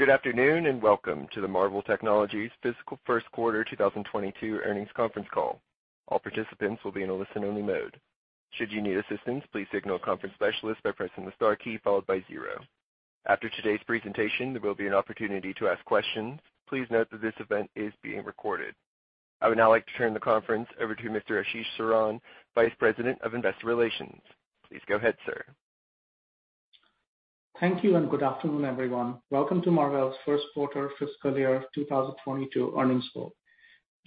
Good afternoon, and welcome to the Marvell Technology fiscal first quarter 2022 earnings conference call. All participants will be in a listen-only mode. Should you need assistance, please signal a conference specialist by pressing the star key followed by zero. After today's presentation, there will be an opportunity to ask questions. Please note that this event is being recorded. I would now like to turn the conference over to Mr. Ashish Saran, Vice President of Investor Relations. Please go ahead, sir. Thank you. Good afternoon, everyone. Welcome to Marvell's first quarter fiscal year 2022 earnings call.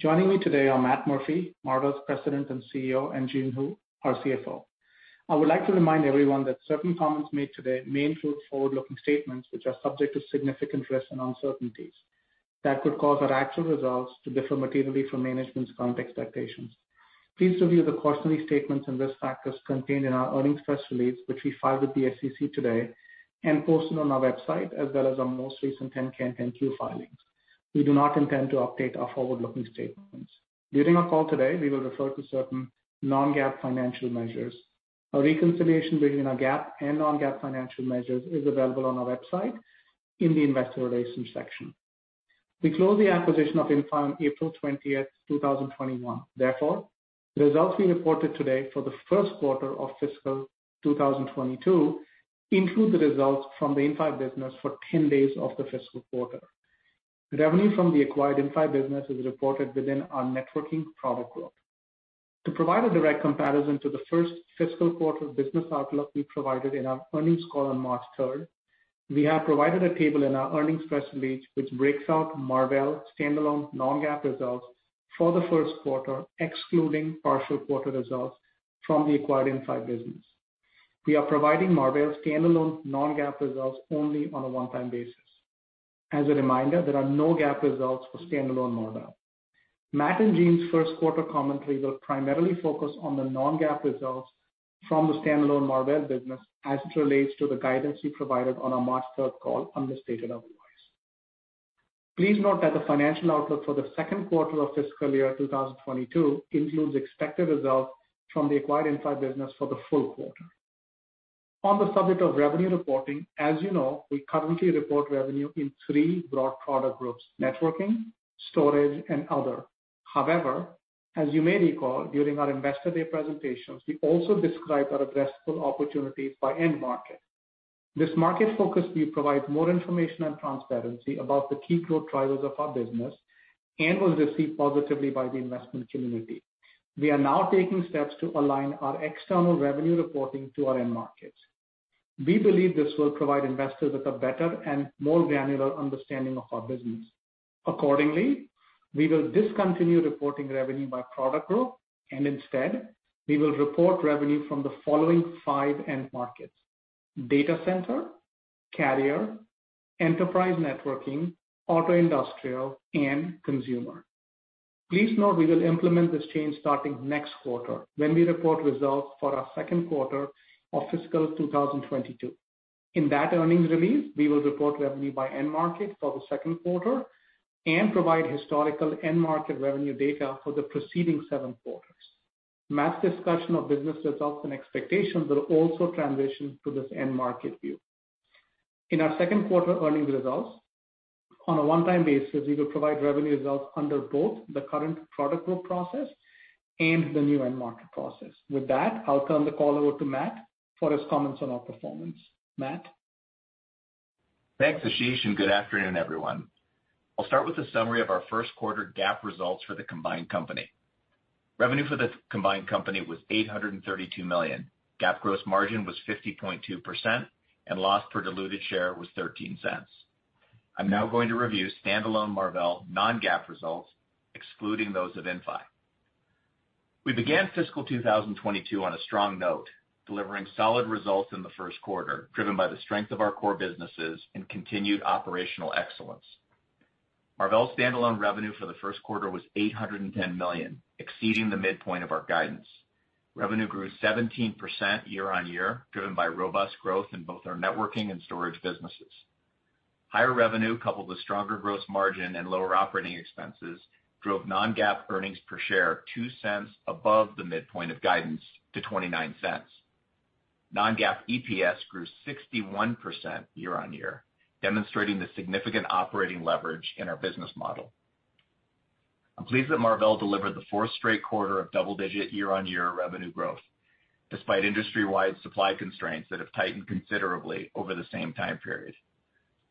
Joining me today are Matt Murphy, Marvell's President and CEO, and Jean Hu, our CFO. I would like to remind everyone that certain comments made today may include forward-looking statements, which are subject to significant risks and uncertainties that could cause our actual results to differ materially from management's current expectations. Please review the cautionary statements and risk factors contained in our earnings press release, which we filed with the SEC today and posted on our website, as well as our most recent 10-K and Q filings. We do not intend to update our forward-looking statements. During the call today, we will refer to certain non-GAAP financial measures. A reconciliation between our GAAP and non-GAAP financial measures is available on our website in the investor relations section. We closed the acquisition of Inphi on April 20th, 2021. The results we reported today for the first quarter of fiscal 2022 include the results from the Inphi business for 10 days of the fiscal quarter. Revenue from the acquired Inphi business is reported within our networking product group. To provide a direct comparison to the first fiscal quarter business outlook we provided in our earnings call on March 3rd, we have provided a table in our earnings press release, which breaks out Marvell standalone non-GAAP results for the first quarter, excluding partial quarter results from the acquired Inphi business. We are providing Marvell standalone non-GAAP results only on a one-time basis. As a reminder, there are no GAAP results for standalone Marvell. Matt and Jean's first quarter commentary will primarily focus on the non-GAAP results from the standalone Marvell business as it relates to the guidance we provided on our March 3rd call unless stated otherwise. Please note that the financial outlook for the second quarter of fiscal year 2022 includes expected results from the acquired Inphi business for the full quarter. On the subject of revenue reporting, as you know, we currently report revenue in three broad product groups: networking, storage, and other. However, as you may recall, during our Investor Day presentations, we also described our addressable opportunity by end market. This market focus will provide more information and transparency about the key growth drivers of our business and was received positively by the investment community. We are now taking steps to align our external revenue reporting to our end markets. We believe this will provide investors with a better and more granular understanding of our business. Accordingly, we will discontinue reporting revenue by product group, and instead, we will report revenue from the following five end markets: Data Center, Carrier, Enterprise Networking, Auto/Industrial, and Consumer. Please note we will implement this change starting next quarter when we report results for our second quarter of fiscal 2022. In that earnings release, we will report revenue by end market for the second quarter and provide historical end market revenue data for the preceding seven quarters. Matt's discussion of business results and expectations will also transition to this end market view. In our second quarter earnings results, on a one-time basis, we will provide revenue results under both the current product group process and the new end market process. With that, I'll turn the call over to Matt for his comments on our performance. Matt? Thanks, Ashish, and good afternoon, everyone. I'll start with a summary of our first quarter GAAP results for the combined company. Revenue for the combined company was $832 million. GAAP gross margin was 50.2% and loss per diluted share was $0.13. I'm now going to review standalone Marvell non-GAAP results, excluding those of Inphi. We began fiscal 2022 on a strong note, delivering solid results in the first quarter, driven by the strength of our core businesses and continued operational excellence. Marvell standalone revenue for the first quarter was $810 million, exceeding the midpoint of our guidance. Revenue grew 17% year-on-year, driven by robust growth in both our networking and storage businesses. Higher revenue, coupled with stronger gross margin and lower operating expenses, drove non-GAAP earnings per share $0.02 above the midpoint of guidance to $0.29. Non-GAAP EPS grew 61% year-on-year, demonstrating the significant operating leverage in our business model. I'm pleased that Marvell delivered the fourth straight quarter of double-digit year-on-year revenue growth, despite industry-wide supply constraints that have tightened considerably over the same time period.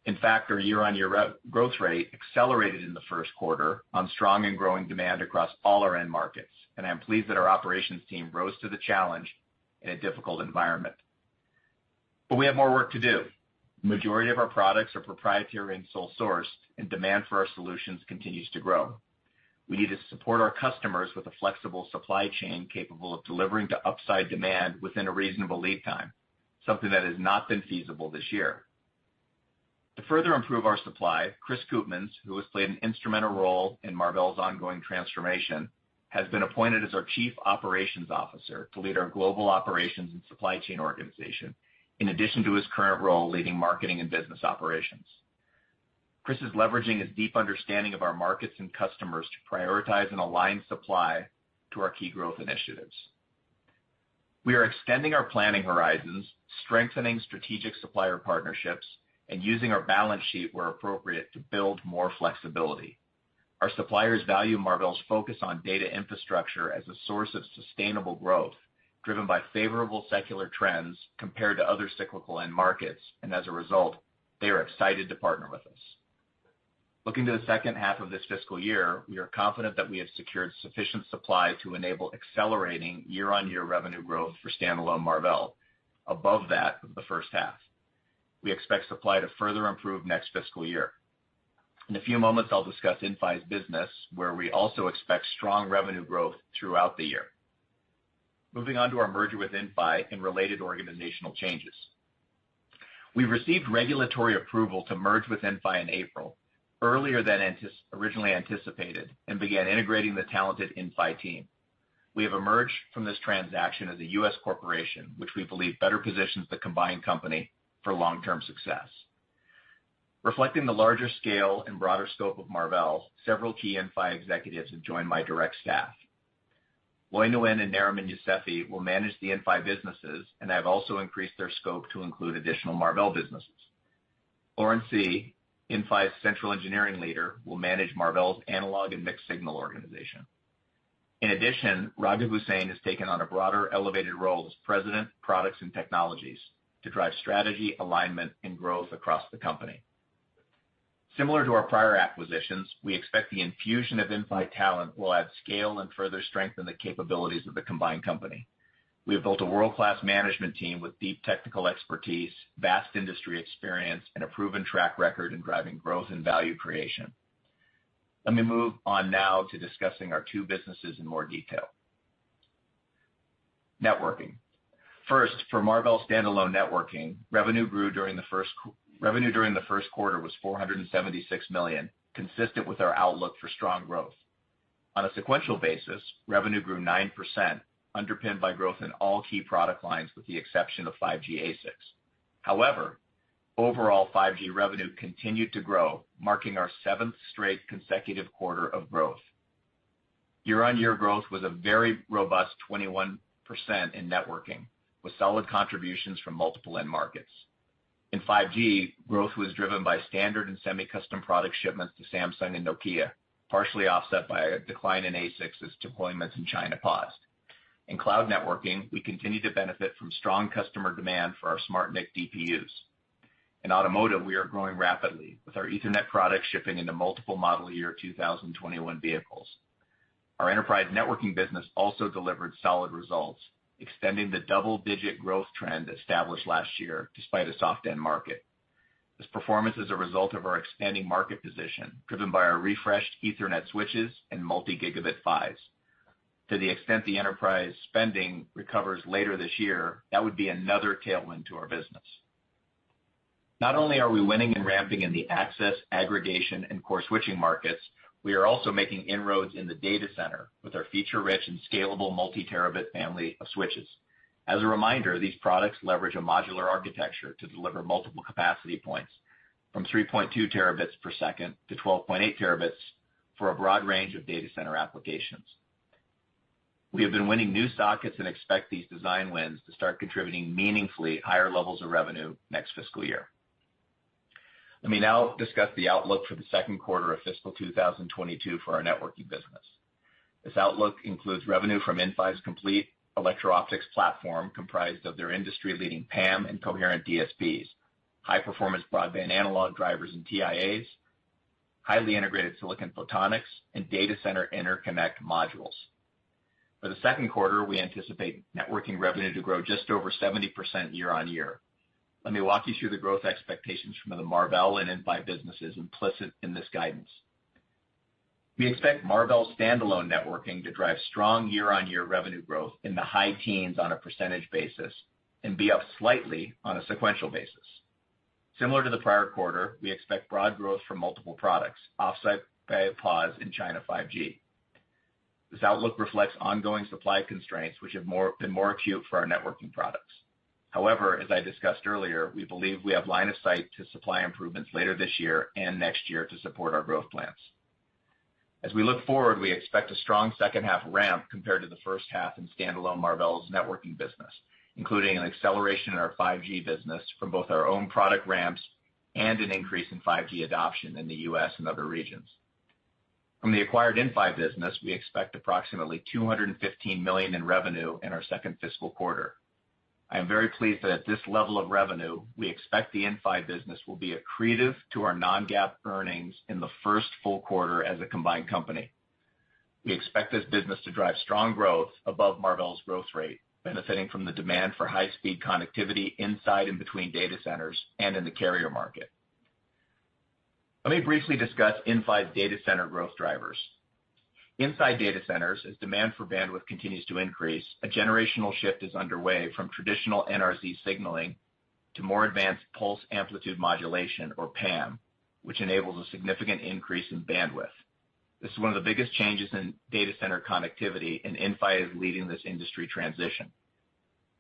In fact, our year-on-year growth rate accelerated in the first quarter on strong and growing demand across all our end markets, and I'm pleased that our operations team rose to the challenge in a difficult environment and we have more work to do. The majority of our products are proprietary and sole sourced, and demand for our solutions continues to grow. We need to support our customers with a flexible supply chain capable of delivering to upside demand within a reasonable lead time, something that has not been feasible this year. To further improve our supply, Chris Koopmans, who has played an instrumental role in Marvell's ongoing transformation, has been appointed as our Chief Operations Officer to lead our global operations and supply chain organization, in addition to his current role leading marketing and business operations. Chris is leveraging his deep understanding of our markets and customers to prioritize and align supply to our key growth initiatives. We are extending our planning horizons, strengthening strategic supplier partnerships, and using our balance sheet where appropriate to build more flexibility. Our suppliers value Marvell's focus on data infrastructure as a source of sustainable growth, driven by favorable secular trends compared to other cyclical end markets, and as a result, they are excited to partner with us. Looking to the second half of this fiscal year, we are confident that we have secured sufficient supply to enable accelerating year-on-year revenue growth for standalone Marvell above that of the first half. We expect supply to further improve next fiscal year. In a few moments, I'll discuss Inphi's business, where we also expect strong revenue growth throughout the year. Moving on to our merger with Inphi and related organizational changes. We received regulatory approval to merge with Inphi in April, earlier than originally anticipated, and began integrating the talented Inphi team. We have emerged from this transaction as a U.S. corporation, which we believe better positions the combined company for long-term success. Reflecting the larger scale and broader scope of Marvell, several key Inphi executives have joined my direct staff. Loi Nguyen and Nariman Yousefi will manage the Inphi businesses and have also increased their scope to include additional Marvell businesses. Lawrence Tse, Inphi's central engineering leader, will manage Marvell's analog and mixed signal organization. In addition, Raghib Hussain has taken on a broader, elevated role as President, Products and Technologies to drive strategy, alignment, and growth across the company. Similar to our prior acquisitions, we expect the infusion of Inphi talent will add scale and further strengthen the capabilities of the combined company. We have built a world-class management team with deep technical expertise, vast industry experience, and a proven track record in driving growth and value creation. Let me move on now to discussing our two businesses in more detail. Networking. First, for Marvell standalone networking, revenue during the first quarter was $476 million, consistent with our outlook for strong growth. On a sequential basis, revenue grew 9%, underpinned by growth in all key product lines with the exception of 5G ASICs. However, overall 5G revenue continued to grow, marking our seventh straight consecutive quarter of growth. Year-over-year growth was a very robust 21% in networking, with solid contributions from multiple end markets. In 5G, growth was driven by standard and semi-custom product shipments to Samsung and Nokia, partially offset by a decline in ASICs as deployments in China paused. In cloud networking, we continue to benefit from strong customer demand for our SmartNIC DPUs. In Automotive, we are growing rapidly, with our Ethernet products shipping into multiple model year 2021 vehicles. Our Enterprise Networking business also delivered solid results, extending the double-digit growth trend established last year despite a soft end market. This performance is a result of our expanding market position, driven by our refreshed Ethernet switches and multi-gigabit PHYs. To the extent the enterprise spending recovers later this year, that would be another tailwind to our business. Not only are we winning and ramping in the access, aggregation, and core switching markets, we are also making inroads in the Data Center with our feature-rich and scalable multi-terabit family of switches. As a reminder, these products leverage a modular architecture to deliver multiple capacity points, from 3.2 Tbps to 12.8 Tb for a broad range of data center applications. We have been winning new sockets and expect these design wins to start contributing meaningfully higher levels of revenue next fiscal year. Let me now discuss the outlook for the second quarter of fiscal 2022 for our networking business. This outlook includes revenue from Inphi's complete electro-optics platform, comprised of their industry-leading PAM and coherent DSPs, high performance broadband analog drivers and TIAs, highly integrated silicon photonics, and data center interconnect modules. For the second quarter, we anticipate networking revenue to grow just over 70% year-on-year. Let me walk you through the growth expectations from the Marvell and Inphi businesses implicit in this guidance. We expect Marvell standalone networking to drive strong year-on-year revenue growth in the high teens on a percentage basis and be up slightly on a sequential basis. Similar to the prior quarter, we expect broad growth from multiple products, offset by a pause in China 5G. This outlook reflects ongoing supply constraints, which have been more acute for our networking products. However, as I discussed earlier, we believe we have line of sight to supply improvements later this year and next year to support our growth plans. As we look forward, we expect a strong second half ramp compared to the first half in standalone Marvell's Networking business, including an acceleration in our 5G business from both our own product ramps and an increase in 5G adoption in the U.S. and other regions. From the acquired Inphi business, we expect approximately $215 million in revenue in our second fiscal quarter. I am very pleased that at this level of revenue, we expect the Inphi business will be accretive to our non-GAAP earnings in the first full quarter as a combined company. We expect this business to drive strong growth above Marvell's growth rate, benefiting from the demand for high-speed connectivity inside and between Data Centers and in the Carrier market. Let me briefly discuss Inphi's Data Center growth drivers. Inside Data centers, as demand for bandwidth continues to increase, a generational shift is underway from traditional NRZ signaling to more advanced pulse amplitude modulation, or PAM, which enables a significant increase in bandwidth. This is one of the biggest changes in Data Center connectivity, and Inphi is leading this industry transition.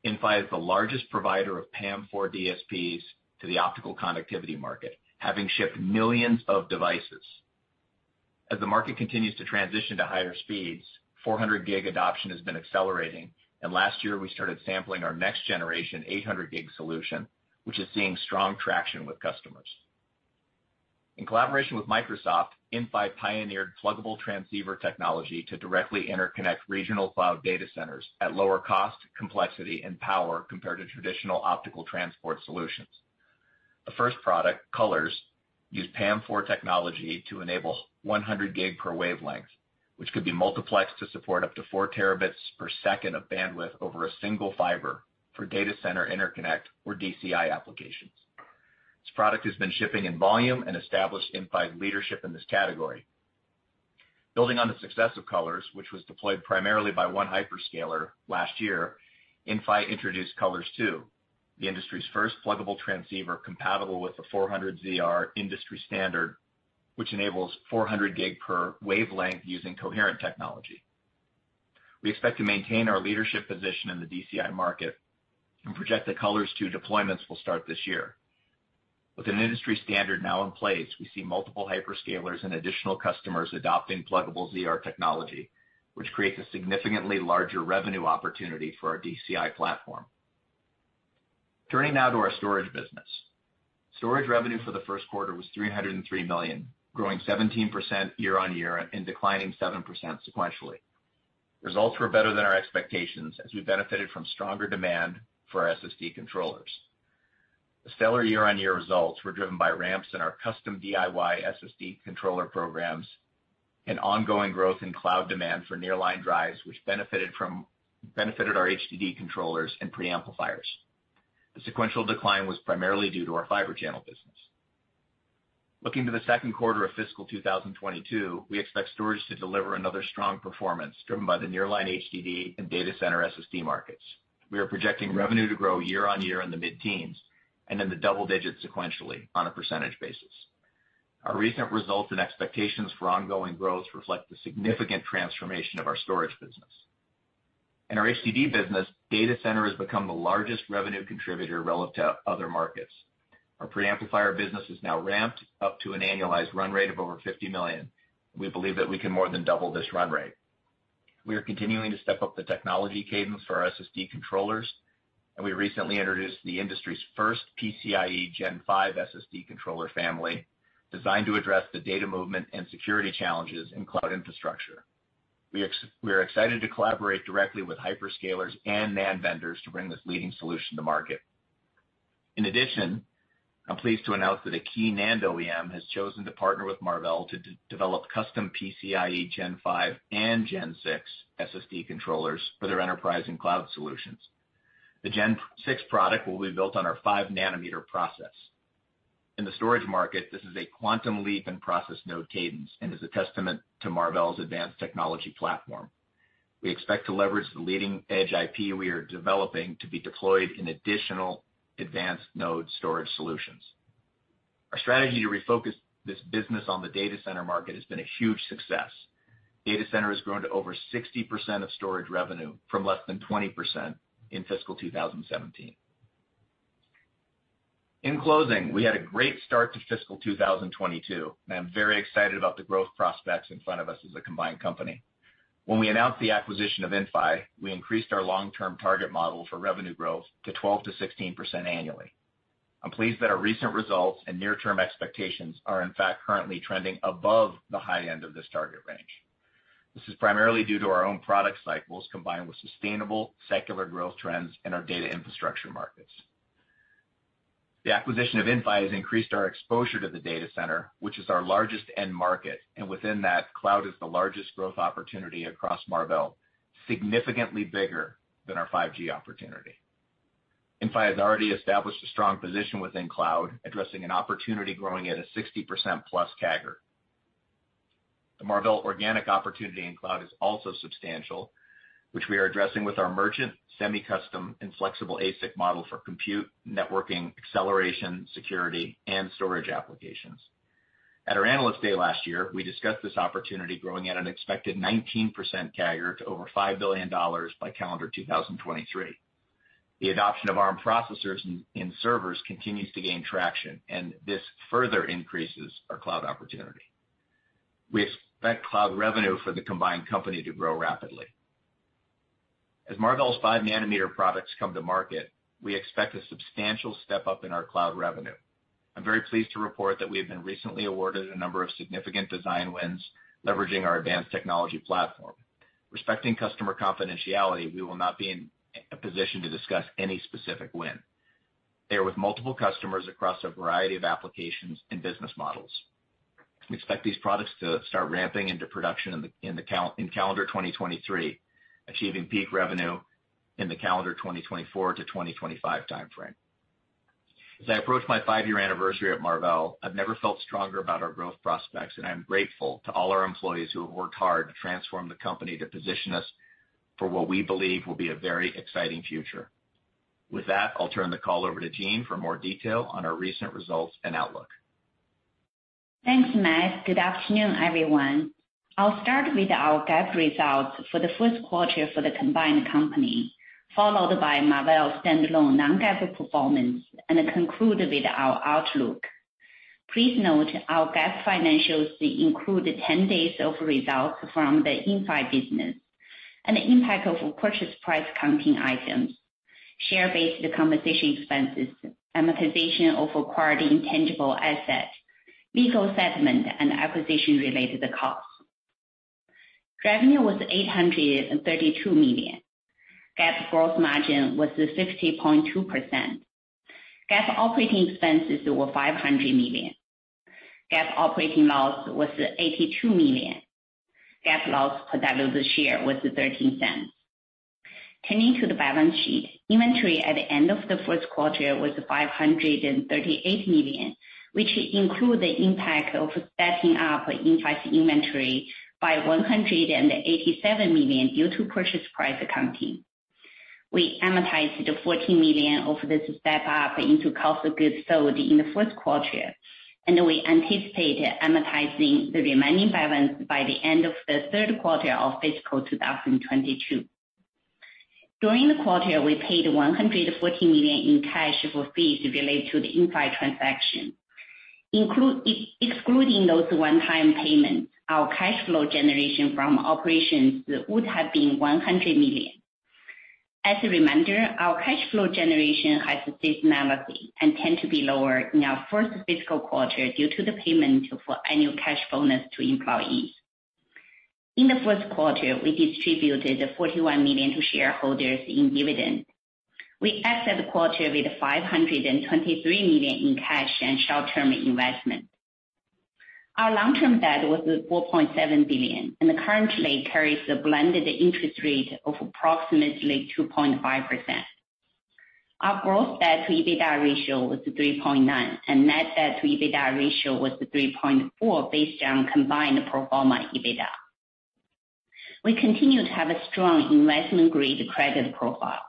Inphi is the largest provider of PAM4 DSPs to the optical connectivity market, having shipped millions of devices. As the market continues to transition to higher speeds, 400G adoption has been accelerating, and last year we started sampling our next generation 800G solution, which is seeing strong traction with customers. In collaboration with Microsoft, Inphi pioneered pluggable transceiver technology to directly interconnect regional cloud data centers at lower cost, complexity, and power compared to traditional optical transport solutions. The first product, COLORZ, used PAM4 technology to enable 100G per wavelength, which could be multiplexed to support up to four terabits per second of bandwidth over a single fiber for data center interconnect or DCI applications. This product has been shipping in volume and established Inphi leadership in this category. Building on the success of COLORZ, which was deployed primarily by one hyperscaler last year, Inphi introduced COLORZ II, the industry's first pluggable transceiver compatible with the 400ZR industry standard, which enables 400G per wavelength using coherent technology. We expect to maintain our leadership position in the DCI market and project that COLORZ II deployments will start this year. With an industry standard now in place, we see multiple hyperscalers and additional customers adopting pluggable ZR technology, which creates a significantly larger revenue opportunity for our DCI platform. Turning now to our storage business. Storage revenue for the first quarter was $303 million, growing 17% year-on-year and declining 7% sequentially. Results were better than our expectations as we benefited from stronger demand for our SSD controllers. The stellar year-on-year results were driven by ramps in our custom DIY SSD controller programs and ongoing growth in cloud demand for nearline drives, which benefited our HDD controllers and preamplifiers. The sequential decline was primarily due to our Fibre Channel business. Looking to the second quarter of fiscal 2022, we expect storage to deliver another strong performance driven by the nearline HDD and data center SSD markets. We are projecting revenue to grow year-on-year in the mid-teens and in the double digits sequentially on a percentage basis. Our recent results and expectations for ongoing growth reflect the significant transformation of our storage business. In our HDD business, Data center has become the largest revenue contributor relative to other markets. Our preamplifier business is now ramped up to an annualized run rate of over $50 million. We believe that we can more than double this run rate. We are continuing to step up the technology cadence for our SSD controllers, and we recently introduced the industry's first PCIe Gen 5 SSD controller family designed to address the data movement and security challenges in cloud infrastructure. We are excited to collaborate directly with hyperscalers and NAND vendors to bring this leading solution to market. In addition, I'm pleased to announce that a key NAND OEM has chosen to partner with Marvell to develop custom PCIe Gen 5 and Gen 6 SSD controllers for their enterprise and cloud solutions. The Gen 6 product will be built on our 5 nm process. In the storage market, this is a quantum leap in process node cadence and is a testament to Marvell's advanced technology platform. We expect to leverage the leading edge IP we are developing to be deployed in additional advanced node storage solutions. Our strategy to refocus this business on the Data Center market has been a huge success. Data Center has grown to over 60% of storage revenue from less than 20% in fiscal 2017. In closing, we had a great start to fiscal 2022, and I'm very excited about the growth prospects in front of us as a combined company. When we announced the acquisition of Inphi, we increased our long-term target model for revenue growth to 12%-16% annually. I'm pleased that our recent results and near-term expectations are in fact currently trending above the high end of this target range. This is primarily due to our own product cycles combined with sustainable secular growth trends in our data infrastructure markets. The acquisition of Inphi has increased our exposure to the Data Center, which is our largest end market, and within that, cloud is the largest growth opportunity across Marvell, significantly bigger than our 5G opportunity. Inphi has already established a strong position within cloud, addressing an opportunity growing at a 60%+ CAGR. The Marvell organic opportunity in cloud is also substantial, which we are addressing with our merchant, semi-custom, and flexible ASIC model for compute, networking, acceleration, security, and storage applications. At our Analyst Day last year, we discussed this opportunity growing at an expected 19% CAGR to $5 billion by calendar 2023. The adoption of Arm processors in servers continues to gain traction and this further increases our cloud opportunity. We expect cloud revenue for the combined company to grow rapidly. As Marvell's 5 nm products come to market, we expect a substantial step-up in our cloud revenue. I'm very pleased to report that we have been recently awarded a number of significant design wins leveraging our advanced technology platform. Respecting customer confidentiality, we will not be in a position to discuss any specific win. They are with multiple customers across a variety of applications and business models. We expect these products to start ramping into production in calendar 2023, achieving peak revenue in the calendar 2024-2025 timeframe. As I approach my five-year anniversary at Marvell, I've never felt stronger about our growth prospects, and I'm grateful to all our employees who have worked hard to transform the company to position us for what we believe will be a very exciting future. With that, I'll turn the call over to Jean for more detail on our recent results and outlook. Thanks, Matt. Good afternoon, everyone. I'll start with our GAAP results for the first quarter for the combined company, followed by Marvell standalone non-GAAP performance, and conclude with our outlook. Please note our GAAP financials include 10 days of results from the Inphi business and the impact of purchase price accounting items, share-based compensation expenses, amortization of acquired intangible assets, legal settlement, and acquisition-related costs. Revenue was $832 million. GAAP gross margin was 50.2%. GAAP operating expenses were $500 million. GAAP operating loss was $82 million. GAAP loss per diluted share was $0.13. Turning to the balance sheet, inventory at the end of the first quarter was $538 million, which includes the impact of stepping up Inphi's inventory by $187 million due to purchase price accounting. We amortized $14 million of this step-up into cost of goods sold in the first quarter, and we anticipate amortizing the remaining balance by the end of the third quarter of fiscal 2022. During the quarter, we paid $114 million in cash for fees related to the Inphi transaction. Excluding those one-time payments, our cash flow generation from operations would have been $100 million. As a reminder, our cash flow generation has seasonality and tends to be lower in our first fiscal quarter due to the payment for annual cash bonus to employees. In the first quarter, we distributed $41 million to shareholders in dividends. We exit the quarter with $523 million in cash and short-term investments. Our long-term debt was $4.7 billion and currently carries a blended interest rate of approximately 2.5%. Our gross debt to EBITDA ratio was 3.9 and net debt to EBITDA ratio was 3.4 based on combined pro forma EBITDA. We continue to have a strong investment-grade credit profile.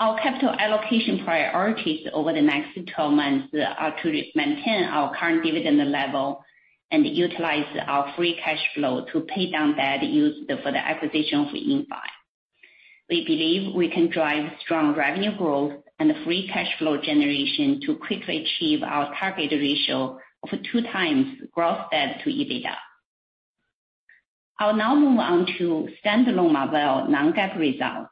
Our capital allocation priorities over the next 12 months are to maintain our current dividend level and utilize our free cash flow to pay down debt used for the acquisition of Inphi. We believe we can drive strong revenue growth and free cash flow generation to quickly achieve our target ratio of 2x gross debt to EBITDA. I'll now move on to standalone Marvell non-GAAP results.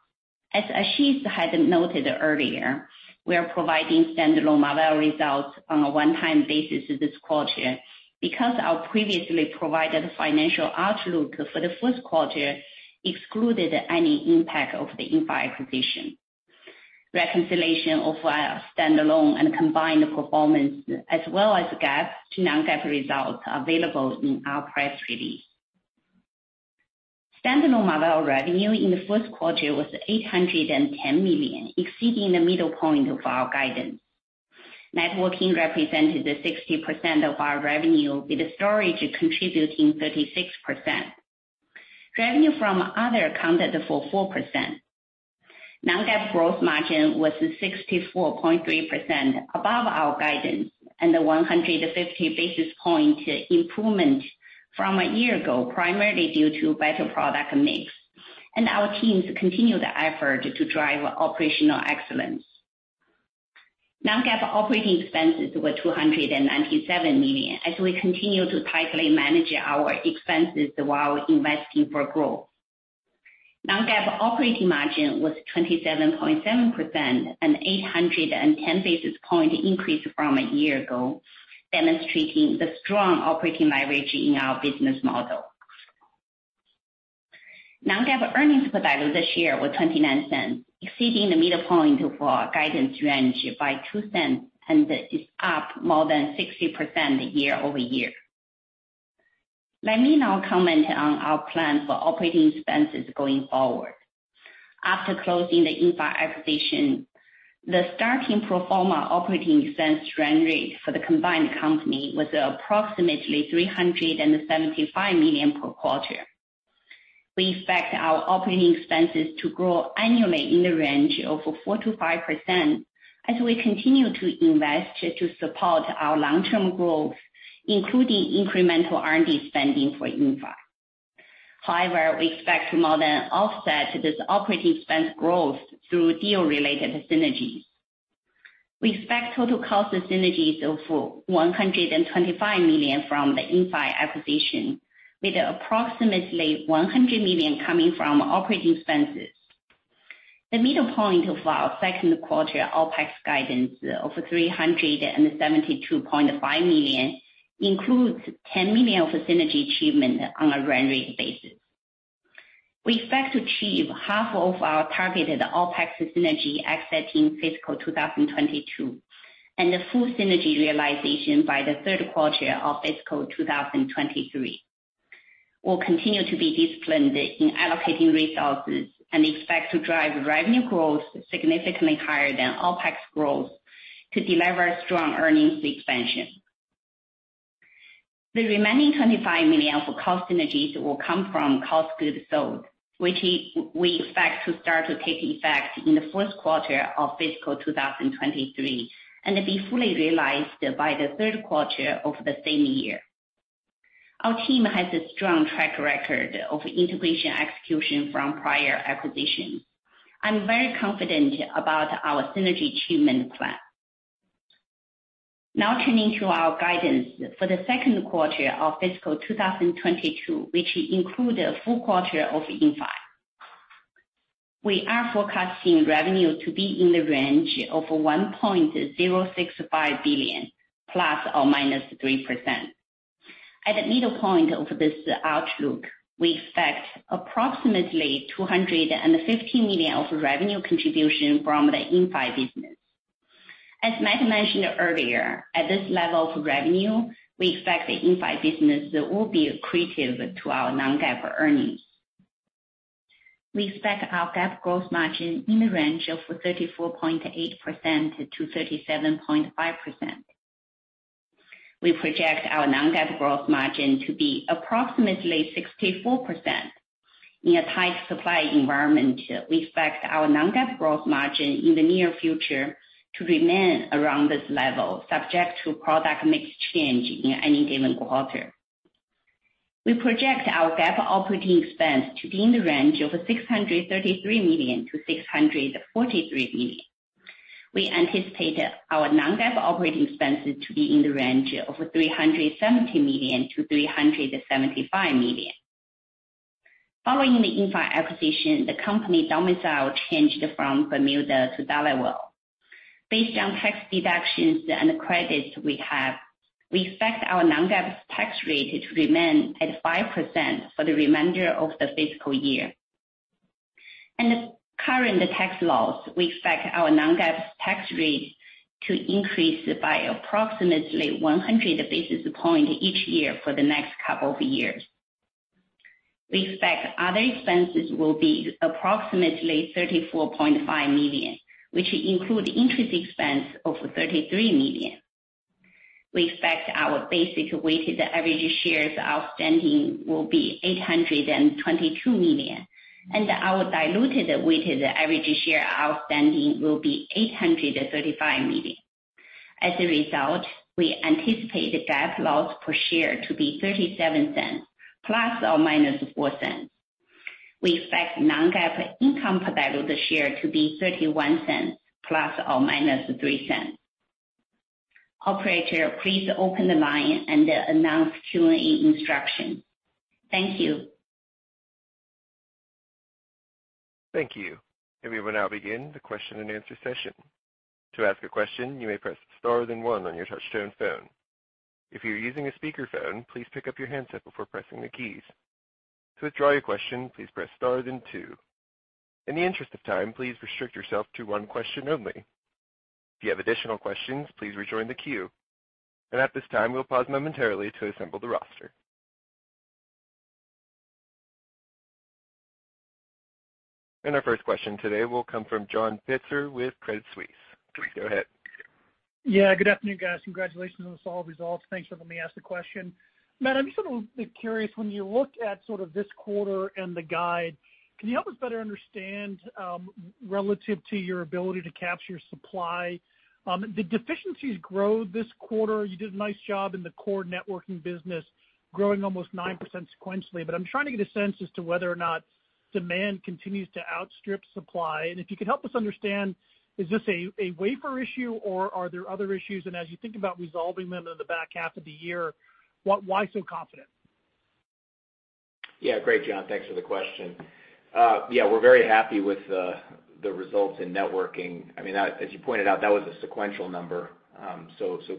As Ashish had noted earlier, we are providing standalone Marvell results on a one-time basis this quarter because our previously provided financial outlook for the first quarter excluded any impact of the Inphi acquisition. Reconciliation of our standalone and combined performance, as well as GAAP to non-GAAP results, are available in our press release. Standalone Marvell revenue in the first quarter was $810 million, exceeding the middle point of our guidance. Networking represented 60% of our revenue, with storage contributing 36%. Revenue from other accounted for 4%. Non-GAAP gross margin was 64.3%, above our guidance, a 150 basis point improvement from a year ago, primarily due to better product mix. Our teams continue the effort to drive operational excellence. Non-GAAP operating expenses were $297 million as we continue to tightly manage our expenses while investing for growth. Non-GAAP operating margin was 27.7%, an 810 basis point increase from a year ago, demonstrating the strong operating leverage in our business model. Non-GAAP earnings per diluted share was $0.29, exceeding the middle point of our guidance range by $0.02 and is up more than 60% year-over-year. Let me now comment on our plan for operating expenses going forward. After closing the Inphi acquisition, the starting pro forma operating expense run rate for the combined company was approximately $375 million per quarter. We expect our operating expenses to grow annually in the range of 4%-5% as we continue to invest to support our long-term growth, including incremental R&D spending for Inphi. However, we expect to more than offset this operating expense growth through deal-related synergies. We expect total cost synergies of $125 million from the Inphi acquisition, with approximately $100 million coming from operating expenses. The middle point of our second quarter OpEx guidance of $372.5 million includes $10 million of synergy achievement on a run rate basis. We expect to achieve half of our targeted OpEx synergy exiting fiscal 2022 and the full synergy realization by the third quarter of fiscal 2023. We'll continue to be disciplined in allocating resources and expect to drive revenue growth significantly higher than OpEx growth to deliver strong earnings expansion. The remaining $25 million for cost goods sold, which we expect to start to take effect in the first quarter of fiscal 2023 and be fully realized by the third quarter of the same year. Our team has a strong track record of integration execution from prior acquisitions. I'm very confident about our synergy achievement plan. Turning to our guidance for the second quarter of fiscal 2022, which includes a full quarter of Inphi. We are forecasting revenue to be in the range of $1.065 billion, ±3%. At the midpoint of this outlook, we expect approximately $250 million of revenue contribution from the Inphi business. As Matt mentioned earlier, at this level of revenue, we expect the Inphi business will be accretive to our non-GAAP earnings. We expect our GAAP gross margin in the range of 34.8%-37.5%. We project our non-GAAP gross margin to be approximately 64%. In a tight supply environment, we expect our non-GAAP gross margin in the near future to remain around this level, subject to product mix change in any given quarter. We project our GAAP operating expense to be in the range of $633 million-$643 million. We anticipate our non-GAAP operating expense to be in the range of $370 million-$375 million. Following the Inphi acquisition, the company domicile changed from Bermuda to Delaware. Based on tax deductions and credits we have, we expect our non-GAAP tax rate to remain at 5% for the remainder of the fiscal year. In the current tax laws, we expect our non-GAAP tax rate to increase by approximately 100 basis points each year for the next couple of years. We expect other expenses will be approximately $34.5 million, which include interest expense of $33 million. We expect our basic weighted average shares outstanding will be 822 million, and our diluted weighted average share outstanding will be 835 million. As a result, we anticipate GAAP loss per share to be $0.37 ± $0.04. We expect non-GAAP income per diluted share to be $0.31, ±$0.03. Operator, please open the line and announce Q&A instructions. Thank you. Thank you. We will now begin the question-and-answer session. To ask a question, you may press star then one on your touchtone phone. If you're using a speakerphone, please pick up your handset before pressing the keys. To withdraw your question, please press star then two. In the interest of time, please restrict yourself to one question only. If you have additional questions, please rejoin the queue. At this time, we'll pause momentarily to assemble the roster. Our first question today will come from John Pitzer with Credit Suisse. Please go ahead. Yeah. Good afternoon, guys. Congratulations on the solid results. Thanks for letting me ask the question. Matt, I'm just a little bit curious, when you look at sort of this quarter and the guide, can you help us better understand, relative to your ability to capture supply, the deficiencies grow this quarter? You did a nice job in the core networking business, growing almost 9% sequentially, but I'm trying to get a sense as to whether or not demand continues to outstrip supply. If you can help us understand, is this a wafer issue, or are there other issues? As you think about resolving them in the back half of the year, why so confident? Yeah. Great, John. Thanks for the question. We're very happy with the results in networking. As you pointed out, that was a sequential number.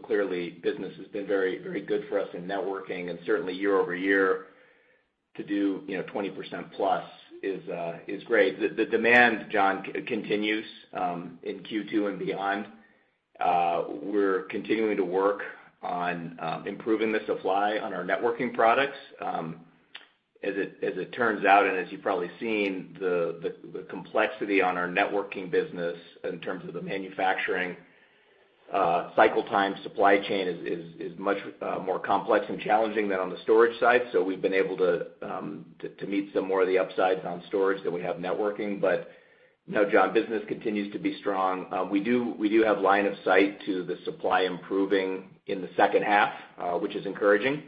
Clearly business has been very good for us in networking, and certainly year-over-year to do 20%+ is great. The demand, John, continues in Q2 and beyond. We're continuing to work on improving the supply on our networking products. As it turns out, and as you've probably seen, the complexity on our networking business in terms of the manufacturing cycle time supply chain is much more complex and challenging than on the storage side. We've been able to meet some more of the upsides on storage than we have networking. No, John, business continues to be strong. We do have line of sight to the supply improving in the second half, which is encouraging,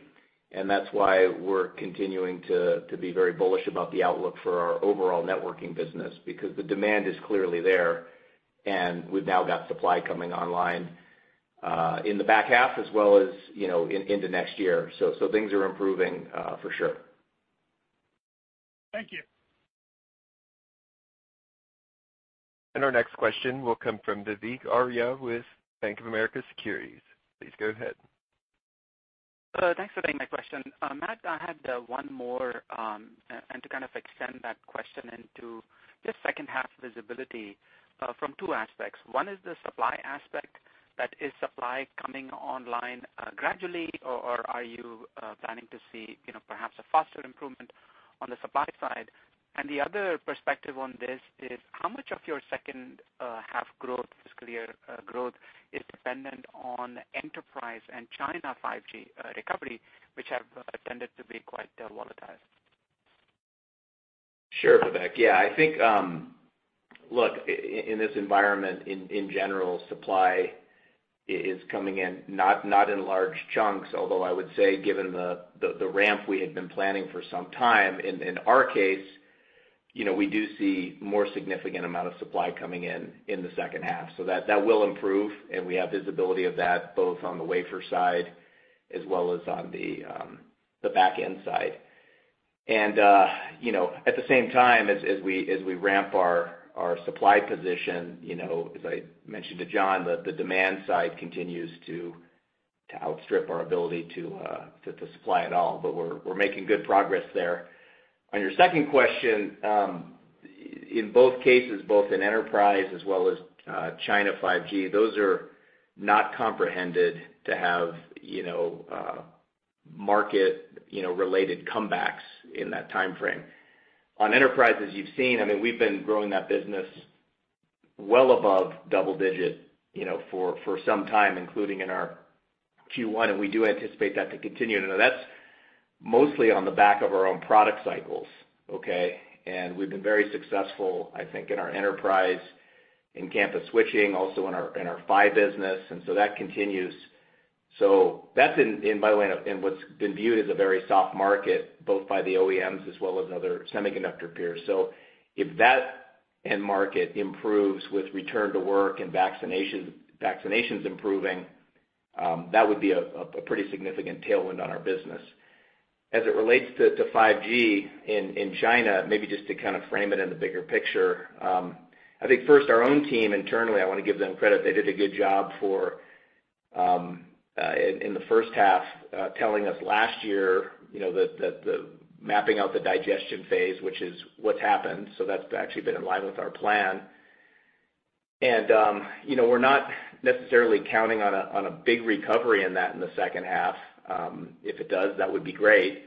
and that's why we're continuing to be very bullish about the outlook for our overall networking business, because the demand is clearly there, and we've now got supply coming online, in the back half as well as into next year so things are improving for sure. Thank you. Our next question will come from Vivek Arya with Bank of America Securities. Please go ahead. Thanks for taking my question. Matt, I had one more, and to kind of extend that question into the second half visibility from two aspects. One is the supply aspect. That is supply coming online gradually, or are you planning to see perhaps a faster improvement on the supply side? The other perspective on this is how much of your second half growth, fiscal year growth, is dependent on enterprise and China 5G recovery, which have tended to be quite volatile? Sure, Vivek. I think, in this environment in Jeanral, supply is coming in not in large chunks, although I would say given the ramp we had been planning for some time, and in our case, we do see more significant amount of supply coming in the second half. So that will improve, and we have visibility of that both on the wafer side as well as on the back-end side. At the same time, as we ramp our supply position, as I mentioned to John, the demand side continues to outstrip our ability to supply it all but we're making good progress there. On your second question, in both cases, both in enterprise as well as China 5G, those are not comprehended to have market-related comebacks in that timeframe. On enterprise, as you've seen, we've been growing that business well above double-digit for some time, including in our Q1, and we do anticipate that to continue. Now, that's mostly on the back of our own product cycles, okay? We've been very successful, I think, in our enterprise, in campus switching, also in our PHY business, and so that continues. That's in, by the way, in what's been viewed as a very soft market, both by the OEMs as well as other semiconductor peers. If that end market improves with return to work and vaccinations improving, that would be a pretty significant tailwind on our business. As it relates to 5G in China, maybe just to frame it in the bigger picture, I think first our own team internally, I want to give them credit. They did a good job in the first half telling us last year that the mapping out the digestion phase, which is what's happened so that's actually been in line with our plan. We're not necessarily counting on a big recovery in that in the second half. If it does, that would be great.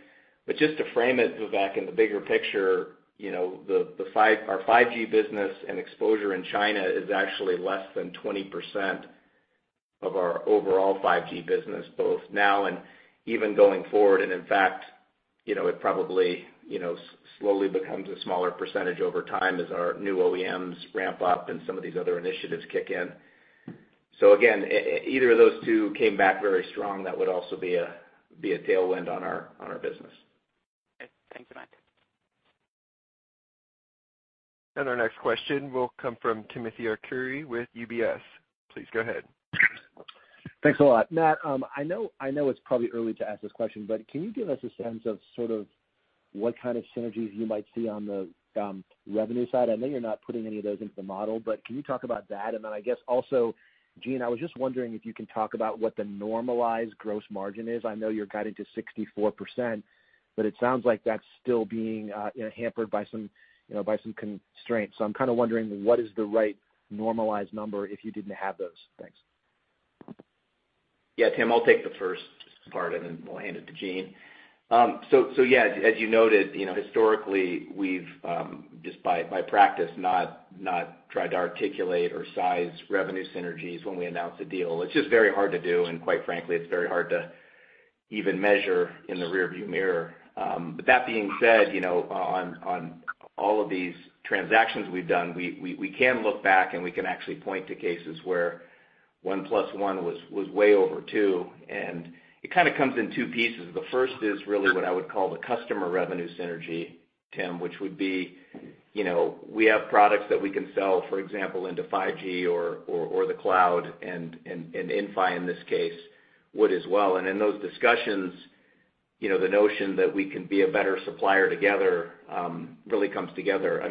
Just to frame it, Vivek, in the bigger picture, our 5G business and exposure in China is actually less than 20% of our overall 5G business both now and even going forward. In fact, it probably slowly becomes a smaller percentage over time as our new OEMs ramp up and some of these other initiatives kick in. Again, either of those two came back very strong, that would also be a tailwind on our business. Okay. Thanks a lot. Our next question will come from Timothy Arcuri with UBS. Please go ahead. Thanks a lot, Matt. I know it's probably early to ask this question, can you give us a sense of what kind of synergies you might see on the revenue side? I know you're not putting any of those into the model, but can you talk about that? I guess also, Jean, I was just wondering if you can talk about what the normalized gross margin is. I know you're guided to 64%, it sounds like that's still being hampered by some constraints. I'm kind of wondering what is the right normalized number if you didn't have those. Thanks. Yeah, Tim, I'll take the first part, and then we'll hand it to Jean. Yeah, as you noted, historically we've, just by practice, not tried to articulate or size revenue synergies when we announce a deal. It's just very hard to do, and quite frankly, it's very hard to even measure in the rearview mirror. That being said, on all of these transactions we've done, we can look back and we can actually point to cases where 1+1 was way over 2, and it kind of comes in two pieces. The first is really what I would call the customer revenue synergy, Tim, which would be we have products that we can sell, for example, into 5G or the cloud, and Inphi, in this case, would as well. In those discussions, the notion that we can be a better supplier together really comes together.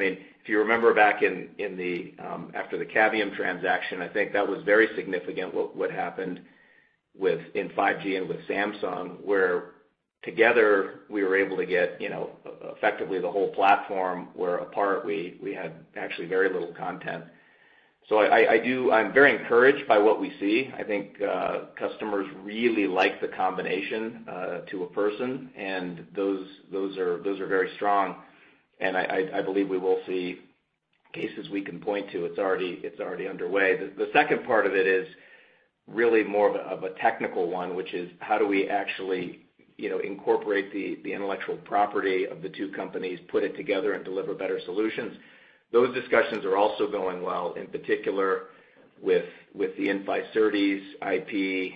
If you remember back after the Cavium transaction, I think that was very significant what happened in 5G and with Samsung, where together we were able to get effectively the whole platform, where apart we had actually very little content. I'm very encouraged by what we see. I think customers really like the combination to a person, and those are very strong, and I believe we will see cases we can point to. It's already underway. The second part of it is really more of a technical one, which is how do we actually incorporate the intellectual property of the two companies, put it together and deliver better solutions. Those discussions are also going well, in particular with the Inphi SerDes IP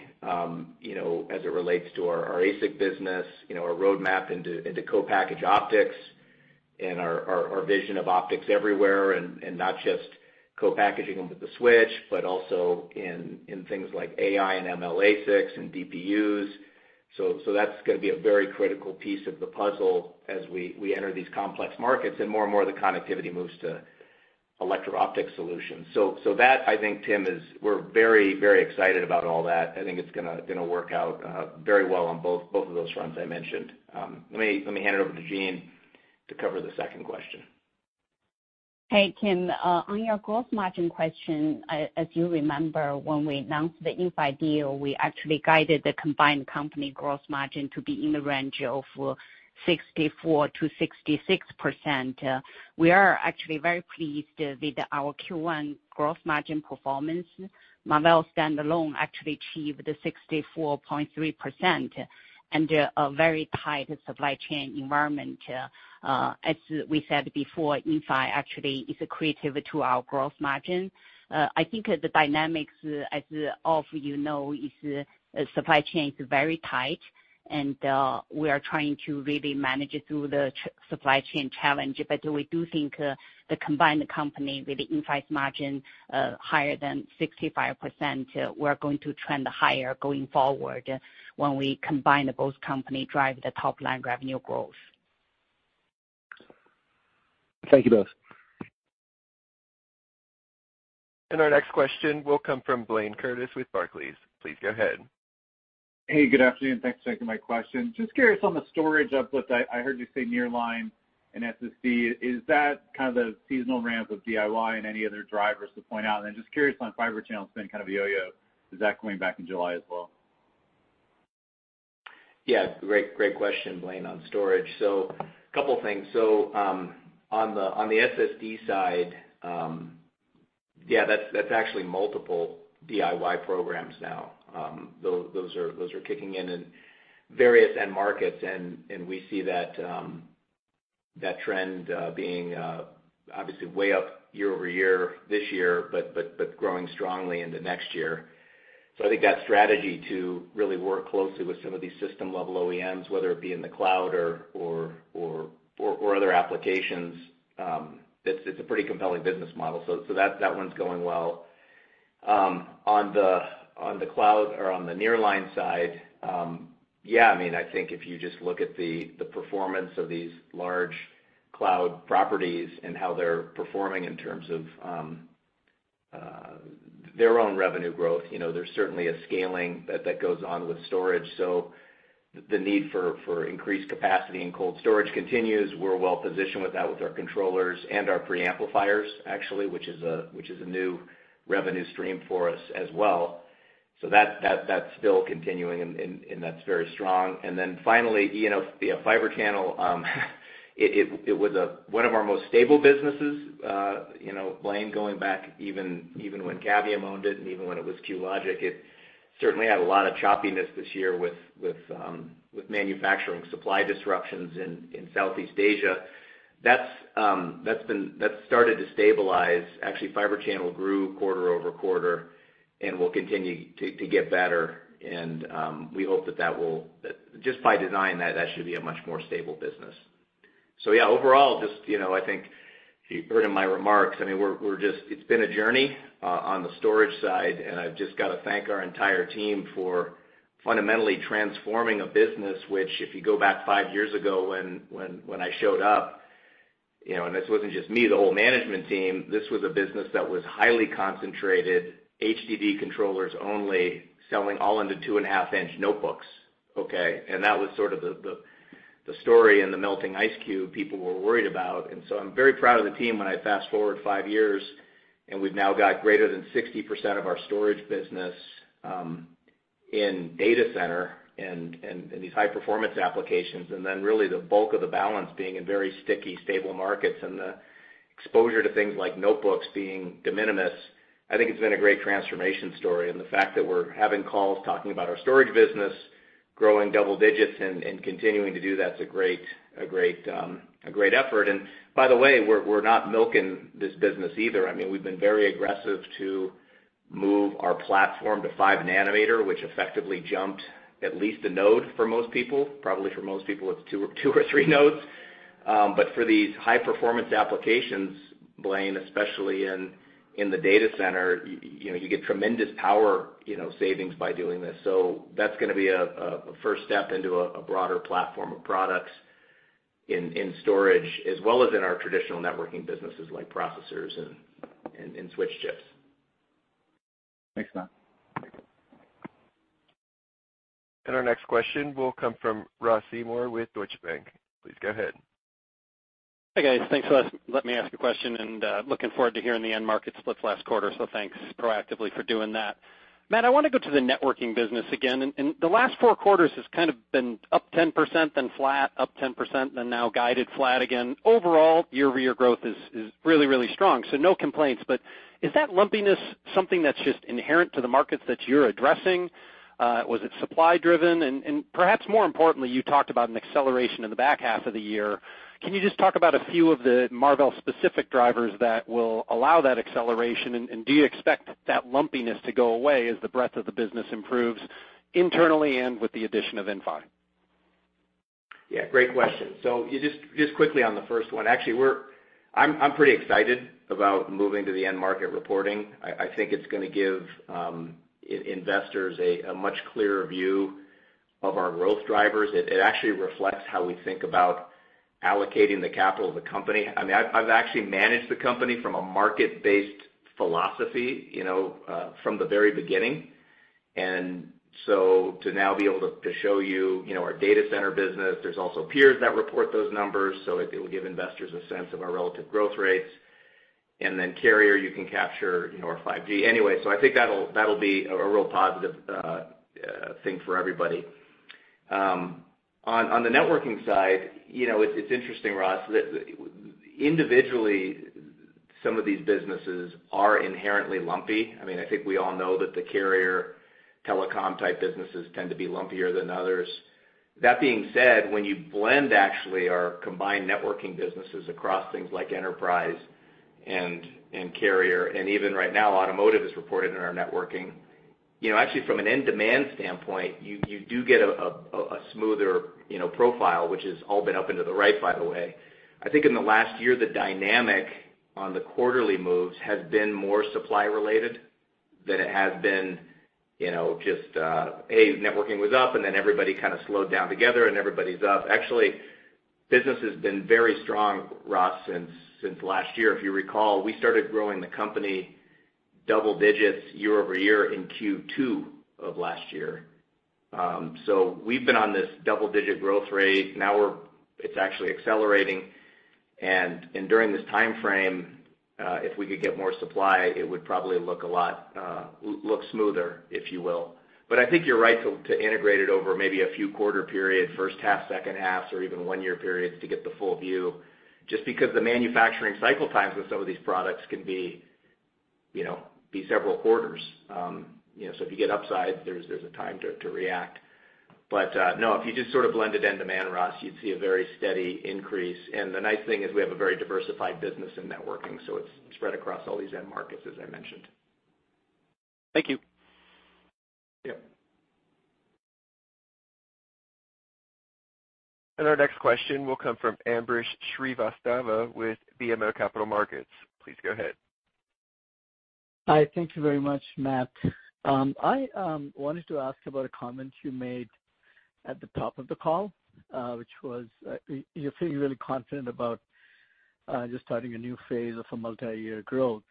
as it relates to our ASIC business, our roadmap into Co-Packaged Optics and our vision of optics everywhere, and not just co-packaging them with the switch, but also in things like AI and ML ASICs and DPUs so that's going to be a very critical piece of the puzzle as we enter these complex markets and more and more of the connectivity moves to electro-optic solutions. That I think, Tim, we're very excited about all that. I think it's going to work out very well on both of those fronts I mentioned. Let me hand it over to Jean to cover the second question. Hey, Tim, on your gross margin question, as you remember, when we announced the Inphi deal, we actually guided the combined company gross margin to be in the range of 64%-66%. We are actually very pleased with our Q1 gross margin performance. Marvell standalone actually achieved the 64.3% under a very tight supply chain environment. As we said before, Inphi actually is accretive to our gross margin. I think the dynamics, as all of you know, is the supply chain is very tight and we are trying to really manage through the supply chain challenge. We do think the combined company with the Inphi's margin higher than 65%, we're going to trend higher going forward when we combine both company drive the top-line revenue growth. Thank you both. Our next question will come from Blayne Curtis with Barclays. Please go ahead. Hey, good afternoon. Thanks for taking my question. Just curious on the storage uplift, I heard you say nearline and SSD. Is that kind of the seasonal ramp of DIY and any other drivers to point out? Just curious on Fibre Channel, it's been kind of a yo-yo. Is that coming back in July as well? Yeah. Great question, Blayne, on storage. A couple things. On the SSD side, yeah, that's actually multiple DIY programs now. Those are kicking in in various end markets and we see that trend being obviously way up year-over-year this year, but growing strongly into next year. I think that strategy to really work closely with some of these system-level OEMs, whether it be in the cloud or other applications, it's a pretty compelling business model so that one's going well. On the cloud or on the nearline side, yeah, I think if you just look at the performance of these large cloud properties and how they're performing in terms of their own revenue growth, there's certainly a scaling that goes on with storage. The need for increased capacity and cold storage continues. We're well-positioned with that, with our controllers and our preamplifiers actually, which is a new revenue stream for us as well. That's still continuing and that's very strong. Finally, Fibre Channel, it was one of our most stable businesses, Blayne, going back even when Cavium owned it and even when it was QLogic, it certainly had a lot of choppiness this year with manufacturing supply disruptions in Southeast Asia. That's started to stabilize. Actually, Fibre Channel grew quarter-over-quarter and will continue to get better. We hope that that will, just by design, that should be a much more stable business. Yeah, overall, just I think if you've heard in my remarks, it's been a journey on the storage side, and I've just got to thank our entire team for fundamentally transforming a business, which if you go back five years ago when I showed up, and this wasn't just me, the whole management team, this was a business that was highly concentrated HDD controllers only, selling all into 2.5' notebooks, okay? That was sort of the story and the melting ice cube people were worried about. I'm very proud of the team when I fast forward five years, and we've now got greater than 60% of our storage business in Data Center and in these high-performance applications, and then really the bulk of the balance being in very sticky, stable markets and the exposure to things like notebooks being de minimis. I think it's been a great transformation story. The fact that we're having calls talking about our storage business growing double digits and continuing to do that is a great effort. By the way, we're not milking this business either. We've been very aggressive to move our platform to 5 nm, which effectively jumped at least a node for most people. Probably for most people, it's two or three nodes. For these high-performance applications, Blayne, especially in the Data Center, you get tremendous power savings by doing this. That's going to be a first step into a broader platform of products in storage, as well as in our traditional networking businesses like processors and switch chips. Thanks, Matt. Our next question will come from Ross Seymore with Deutsche Bank. Please go ahead. Hey, guys. Thanks for letting me ask a question and looking forward to hearing the end market split last quarter, thanks proactively for doing that. Matt, I want to go to the networking business again, the last four quarters has kind of been up 10%, then flat, up 10%, then now guided flat again. Overall, year-over-year growth is really, really strong, no complaints, is that lumpiness something that's just inherent to the markets that you're addressing? Was it supply driven? Perhaps more importantly, you talked about an acceleration in the back half of the year. Can you just talk about a few of the Marvell specific drivers that will allow that acceleration and do you expect that lumpiness to go away as the breadth of the business improves internally and with the addition of Inphi? Yeah, great question. Just quickly on the first one, actually, I'm pretty excited about moving to the end market reporting. I think it's going to give investors a much clearer view of our growth drivers. It actually reflects how we think about allocating the capital of the company. I've actually managed the company from a market-based philosophy from the very beginning. To now be able to show you our Data Center business, there's also peers that report those numbers, so it will give investors a sense of our relative growth rates. Then Carrier, you can capture our 5G anyway. I think that'll be a real positive thing for everybody. On the networking side, it's interesting, Ross. Individually, some of these businesses are inherently lumpy. I think we all know that the Carrier telecom type businesses tend to be lumpier than others. That being said, when you blend actually our combined networking businesses across things like enterprise and Carrier, and even right now Automotive is reported in our networking. Actually from an end demand standpoint, you do get a smoother profile, which has all been up into the right, by the way. I think in the last year, the dynamic on the quarterly moves has been more supply related than it has been just, "Hey, networking was up, and then everybody kind of slowed down together and everybody's up." Actually, business has been very strong, Ross, since last year. If you recall, we started growing the company double digits year-over-year in Q2 of last year. We've been on this double-digit growth rate. Now it's actually accelerating. During this time frame, if we could get more supply, it would probably look smoother, if you will. I think you're right to integrate it over maybe a few quarter periods, first half, second half, or even one-year periods to get the full view, just because the manufacturing cycle times with some of these products can be several quarters. If you get upside, there's a time to react. No, if you just sort of blend it end to end, Ross, you'd see a very steady increase. The nice thing is we have a very diversified business in networking, so it's spread across all these end markets, as I mentioned. Thank you. Yeah. Our next question will come from Ambrish Srivastava with BMO Capital Markets. Please go ahead. Hi, thank you very much, Matt. I wanted to ask about comments you made at the top of the call, which was you're feeling really confident about just starting a new phase of a multi-year growth.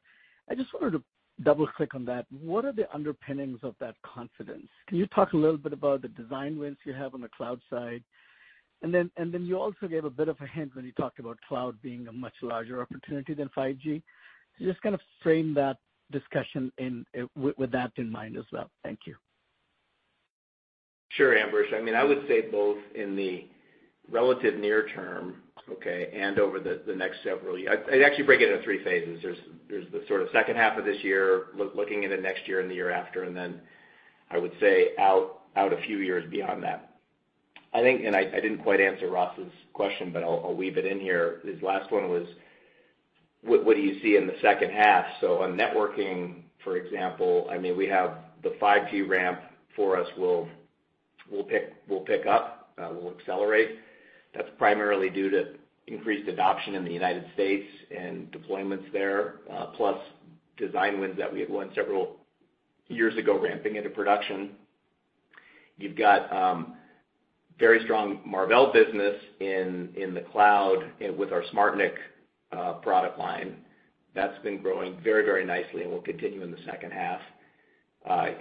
I just wanted to double-click on that. What are the underpinnings of that confidence? Can you talk a little bit about the design wins you have on the cloud side? You also gave a bit of a hint when you talked about cloud being a much larger opportunity than 5G. Just kind of frame that discussion with that in mind as well. Thank you. Sure, Ambrish. I would say both in the relative near term, okay, and over the next several years. I'd actually break it into three phases. There's the sort of second half of this year, looking into next year and the year after, and then I would say out a few years beyond that. I think, and I didn't quite answer Ross's question, but I'll weave it in here. His last one was, what do you see in the second half? On networking, for example, we have the 5G ramp for us will pick up and it will accelerate. That's primarily due to increased adoption in the United States and deployments there, plus design wins that we have won several years ago ramping into production. You've got very strong Marvell business in the cloud with our SmartNIC product line. That's been growing very nicely and will continue in the second half. I'm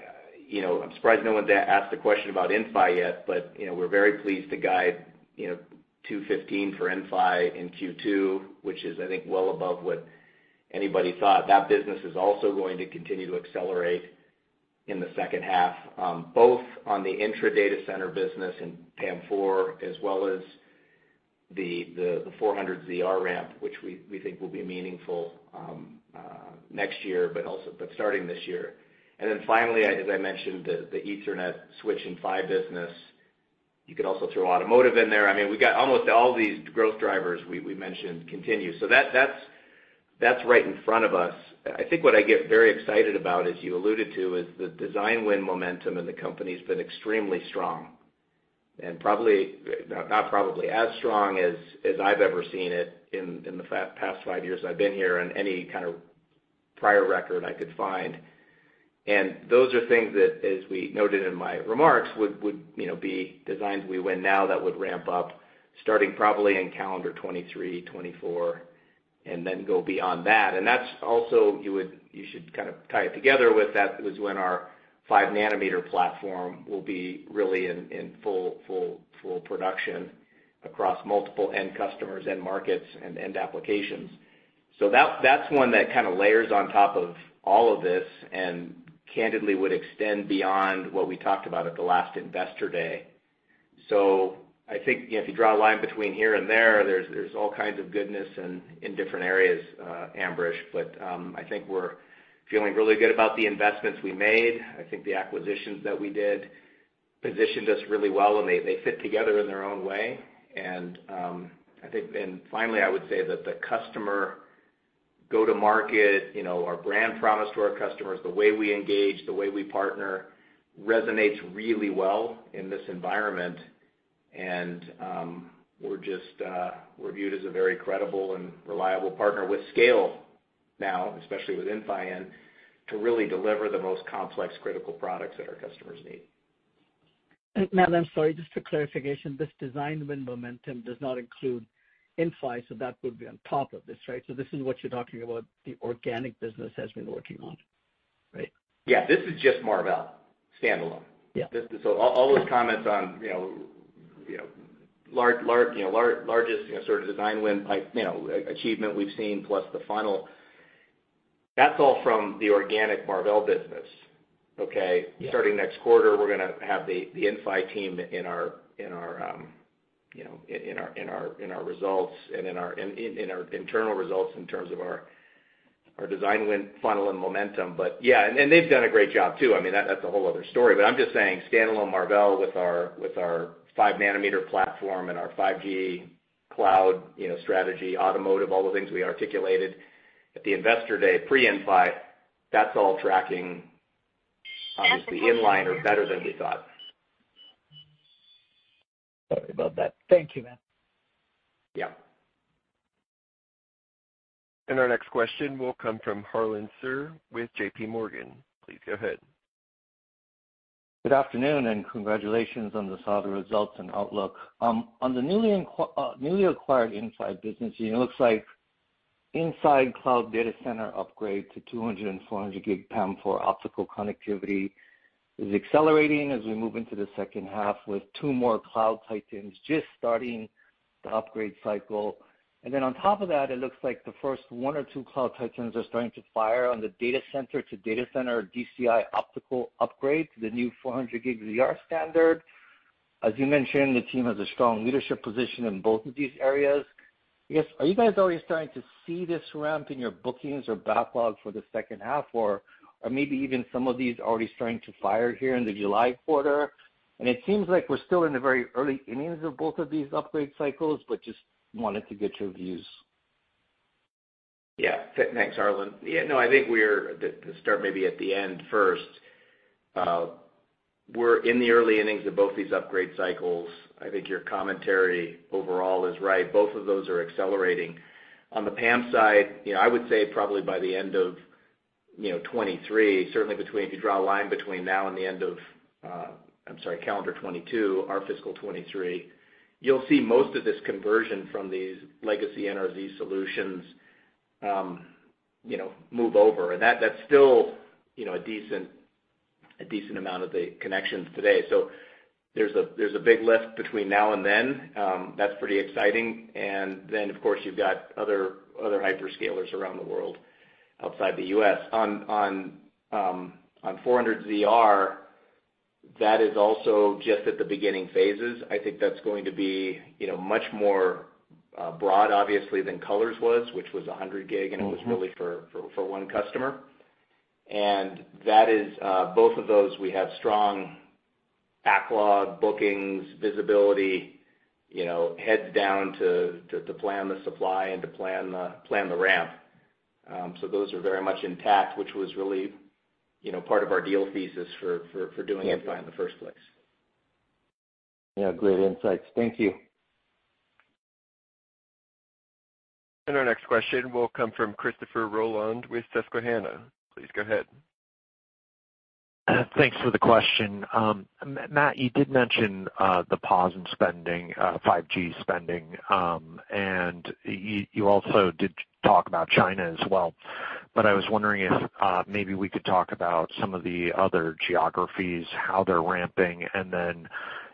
surprised no one's asked the question about Inphi yet, but we're very pleased to guide $215 for Inphi in Q2, which is, I think, well above what anybody thought. That business is also going to continue to accelerate in the second half, both on the intra Data Center business and PAM4, as well as the 400ZR ramp, which we think will be meaningful next year, but starting this year. Finally, as I mentioned, the Ethernet switch and PHY business. You could also throw Automotive in there. We've got almost all these growth drivers we mentioned continue. That's right in front of us. I think what I get very excited about, as you alluded to, is the design win momentum in the company's been extremely strong, as strong as I've ever seen it in the past five years I've been here and any kind of prior record I could find. Those are things that, as we noted in my remarks, would be designs we win now that would ramp up starting probably in calendar 2023, 2024, and then go beyond that. That's also, you should kind of tie it together with that is when our 5 nm platform will be really in full production across multiple end customers, end markets, and end applications. That's one that kind of layers on top of all of this and candidly would extend beyond what we talked about at the last Investor Day. I think if you draw a line between here and there's all kinds of goodness in different areas, Ambrish. I think we're feeling really good about the investments we made. I think the acquisitions that we did positioned us really well, and they fit together in their own way. I think then finally, I would say that the customer go to market, our brand promise to our customers, the way we engage, the way we partner resonates really well in this environment. We're viewed as a very credible and reliable partner with scale now, especially with Inphi, and to really deliver the most complex critical products that our customers need. Matt, I'm sorry. Just for clarification, this design win momentum does not include Inphi, so that would be on top of this, right? This is what you're talking about the organic business has been working on, right? Yeah. This is just Marvell standalone. Yeah. All those comments on largest sort of design win achievement we've seen plus the funnel, that's all from the organic Marvell business. Okay? Yeah. Starting next quarter, we're going to have the Inphi team in our results and in our internal results in terms of our design win funnel and momentum. Yeah, and they've done a great job, too. I mean, that's a whole other story. I'm just saying standalone Marvell with our 5 nm platform and our 5G cloud strategy, Automotive, all the things we articulated at the Investor Day pre-Inphi, that's all tracking obviously in line or better than we thought. Sorry about that. Thank you, Matt. Yeah. Our next question will come from Harlan Sur with JPMorgan. Please go ahead. Good afternoon. Congratulations on the solid results and outlook. On the newly acquired Inphi business unit, it looks like Inphi cloud data center upgrade to 200G and 400G PAM4 optical connectivity is accelerating as we move into the second half with two more cloud titans just starting the upgrade cycle. On top of that, it looks like the first one or two cloud titans are starting to fire on the data center to data center DCI optical upgrade to the new 400ZR standard. As you mentioned, the team has a strong leadership position in both of these areas. I guess, are you guys already starting to see this ramp in your bookings or backlog for the second half? Maybe even some of these already starting to fire here in the July quarter? It seems like we're still in the very early innings of both of these upgrade cycles, but just wanted to get your views. Yeah. Thanks, Harlan. To start maybe at the end first, we're in the early innings of both these upgrade cycles. I think your commentary overall is right. Both of those are accelerating. On the PAM side, I would say probably by the end of 2023, certainly if you draw a line between now and the end of, I'm sorry, calendar 2022, our fiscal 2023, you'll see most of this conversion from these legacy NRZ solutions move over. That's still a decent amount of the connections today. There's a big lift between now and then. That's pretty exciting. Of course, you've got other hyperscalers around the world outside the U.S. On 400ZR, that is also just at the beginning phases. I think that's going to be much more broad, obviously, than COLORZ was, which was 100G, and it was really for one customer. Both of those, we have strong backlog, bookings, visibility, heads down to plan the supply and to plan the ramp. Those are very much intact, which was really part of our deal thesis for doing Inphi in the first place. Yeah, great insights. Thank you. Our next question will come from Christopher Rolland with Susquehanna. Please go ahead. Thanks for the question. Matt, you did mention the pause in 5G spending. You also did talk about China as well. I was wondering if maybe we could talk about some of the other geographies, how they're ramping, and then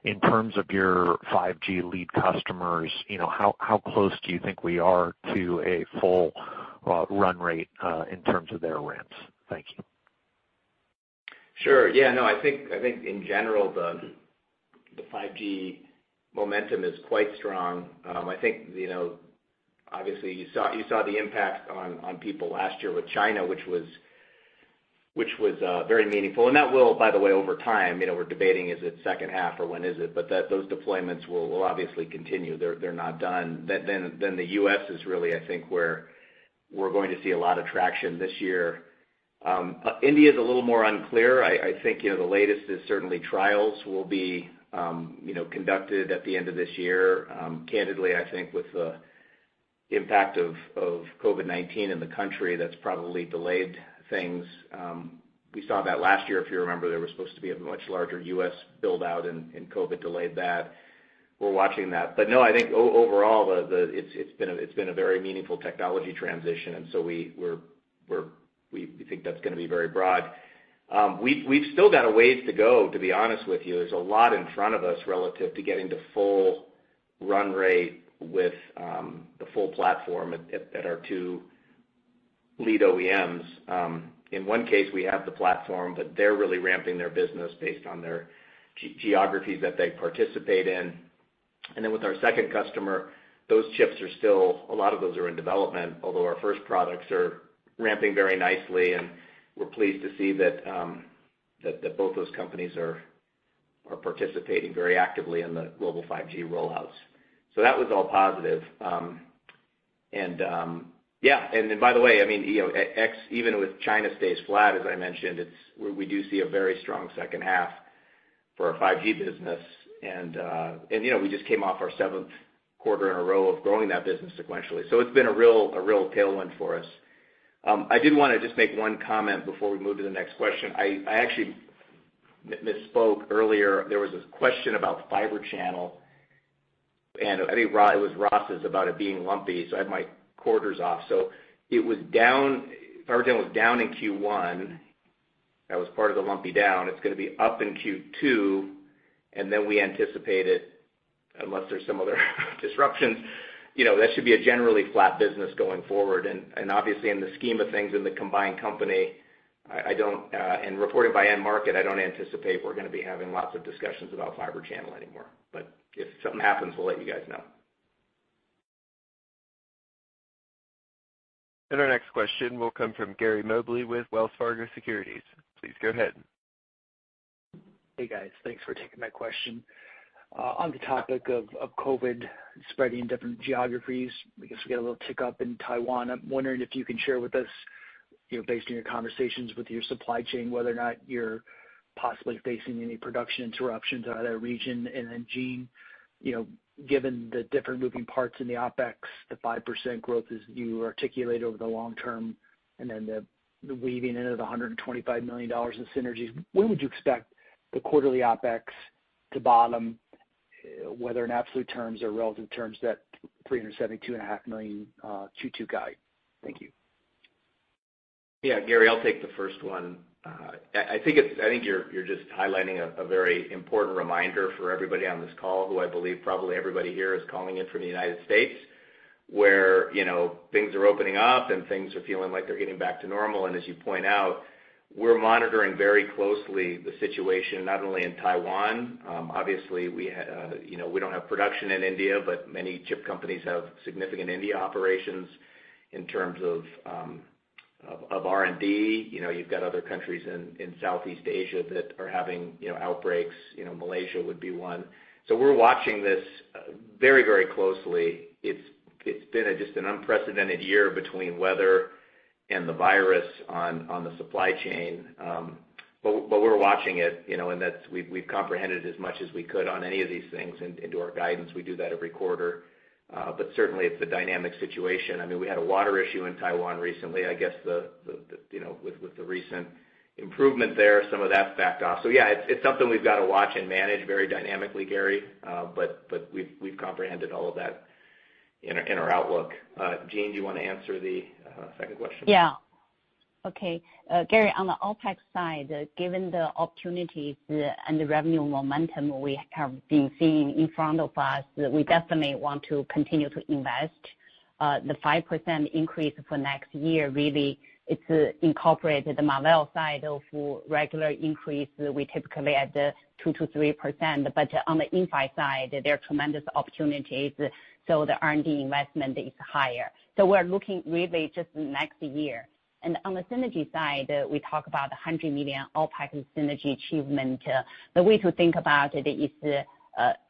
in terms of your 5G lead customers, how close do you think we are to a full run rate in terms of their ramps? Thank you. Sure. Yeah, no, I think in general, the 5G momentum is quite strong. I think obviously you saw the impact on people last year with China, which was very meaningful. That will, by the way, over time, we're debating is it second half or when is it, but those deployments will obviously continue. They're not done. The U.S. is really, I think, where we're going to see a lot of traction this year. India is a little more unclear. I think the latest is certainly trials will be conducted at the end of this year. Candidly, I think with the impact of COVID-19 in the country, that's probably delayed things. We saw that last year, if you remember, there was supposed to be a much larger U.S. build-out and COVID-19 delayed that. We're watching that. No, I think overall, it's been a very meaningful technology transition. We think that's going to be very broad. We've still got a ways to go, to be honest with you. There's a lot in front of us relative to getting to full run rate with the full platform at our two lead OEMs. In one case, we have the platform, but they're really ramping their business based on their geographies that they participate in. With our second customer, a lot of those are in development, although our first products are ramping very nicely, and we're pleased to see that both those companies are participating very actively in the global 5G rollouts. That was all positive. Yeah. By the way, even with China stays flat, as I mentioned, we do see a very strong second half for our 5G business and we just came off our seventh quarter in a row of growing that business sequentially. It's been a real tailwind for us. I did want to just make one comment before we move to the next question. I actually misspoke earlier. There was this question about Fibre Channel, and I think it was Ross's about it being lumpy, so I had my quarters off. Fibre Channel was down in Q1. That was part of the lumpy down. It's going to be up in Q2, and then we anticipate it, unless there's some other disruptions, that should be a generally flat business going forward. Obviously in the scheme of things in the combined company, and reported by end market, I don't anticipate we're going to be having lots of discussions about Fibre Channel anymore. If something happens, we'll let you guys know. Our next question will come from Gary Mobley with Wells Fargo Securities. Please go ahead. Hey, guys. Thanks for taking my question. On the topic of COVID-19 spreading in different geographies, I guess we get a little tick up in Taiwan. I'm wondering if you can share with us, based on your conversations with your supply chain, whether or not you're possibly facing any production interruptions out of that region. Then Jean, given the different moving parts in the OpEx, the 5% growth as you articulate over the long term, and then the weaving in of the $125 million of synergies, when would you expect the quarterly OpEx to bottom, whether in absolute terms or relative terms, that $372.5 million Q2 guide? Thank you. Yeah, Gary, I'll take the first one. I think you're just highlighting a very important reminder for everybody on this call, who I believe probably everybody here is calling in from the United States, where things are opening up and things are feeling like they're getting back to normal. As you point out, we're monitoring very closely the situation, not only in Taiwan. Obviously, we don't have production in India, but many chip companies have significant India operations in terms of R&D. You've got other countries in Southeast Asia that are having outbreaks. Malaysia would be one. We're watching this very closely. It's been just an unprecedented year between weather and the virus on the supply chain. We're watching it, and we've comprehended as much as we could on any of these things into our guidance. We do that every quarter. Certainly it's a dynamic situation. I mean, we had a water issue in Taiwan recently. I guess with the recent improvement there, some of that's backed off. Yeah, it's something we've got to watch and manage very dynamically, Gary but we've comprehended all of that in our outlook. Jean, do you want to answer the second question? Gary, on the OpEx side, given the opportunities and the revenue momentum we have been seeing in front of us, we definitely want to continue to invest. The 5% increase for next year, really, it's incorporated the Marvell side of regular increase. We typically at the 2%-3%, on the Inphi side, there are tremendous opportunities so the R&D investment is higher. We're looking really just next year. On the synergy side, we talk about $100 million OpEx synergy achievement. The way to think about it is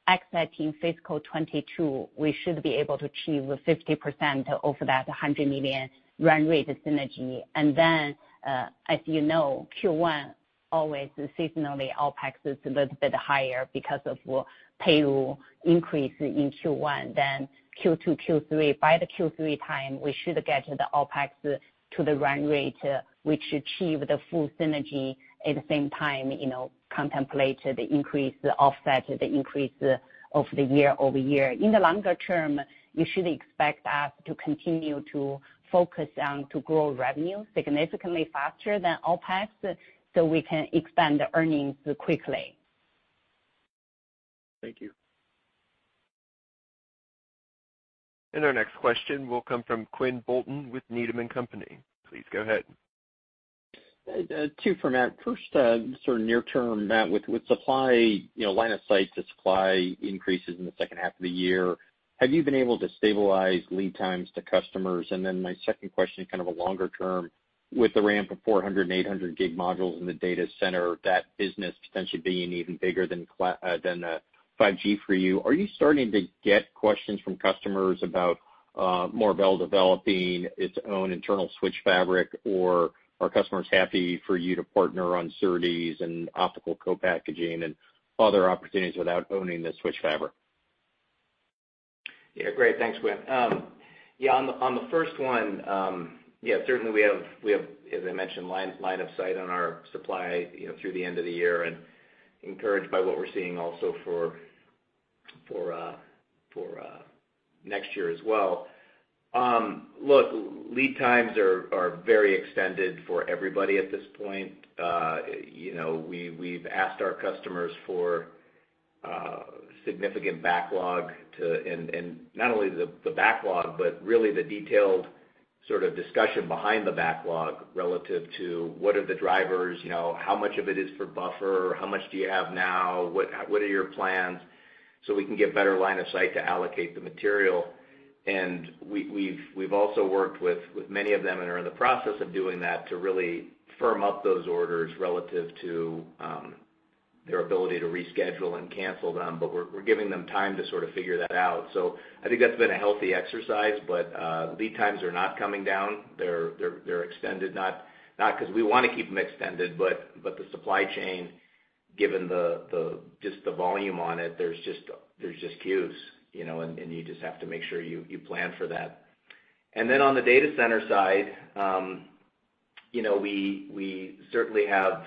exiting fiscal 2022, we should be able to achieve 50% of that $100 million run rate synergy. As you know, Q1 always seasonally, OpEx is a little bit higher because of payroll increase in Q1 than Q2, Q3. By the Q3 time, we should get the OpEx to the run rate, which achieve the full synergy at the same time, contemplate the increase, offset the increase of the year-over-year. In the longer term, you should expect us to continue to focus on to grow revenue significantly faster than OpEx, so we can expand the earnings quickly. Thank you. Our next question will come from Quinn Bolton with Needham & Company. Please go ahead. Two for Matt. First, sort of near term, Matt, with line of sight to supply increases in the second half of the year, have you been able to stabilize lead times to customers? My second question, kind of a longer term, with the ramp of 400G and 800G modules in the Data Center, that business potentially being even bigger than 5G for you, are you starting to get questions from customers about Marvell developing its own internal switch fabric, or are customers happy for you to partner on SerDes and optical co-packaging and other opportunities without owning the switch fabric? Great. Thanks, Quinn. On the first one, certainly we have, as I mentioned, line of sight on our supply through the end of the year and encouraged by what we're seeing also for next year as well. Look, lead times are very extended for everybody at this point. We've asked our customers for significant backlog, and not only the backlog, but really the detailed sort of discussion behind the backlog relative to what are the drivers, how much of it is for buffer, how much do you have now, what are your plans, so we can get better line of sight to allocate the material. We've also worked with many of them and are in the process of doing that to really firm up those orders relative to their ability to reschedule and cancel them but we're giving them time to sort of figure that out. I think that's been a healthy exercise, but lead times are not coming down. They're extended, not because we want to keep them extended, but the supply chain given just the volume on it, there's just queues, and you just have to make sure you plan for that. Then on the Data Center side, we certainly have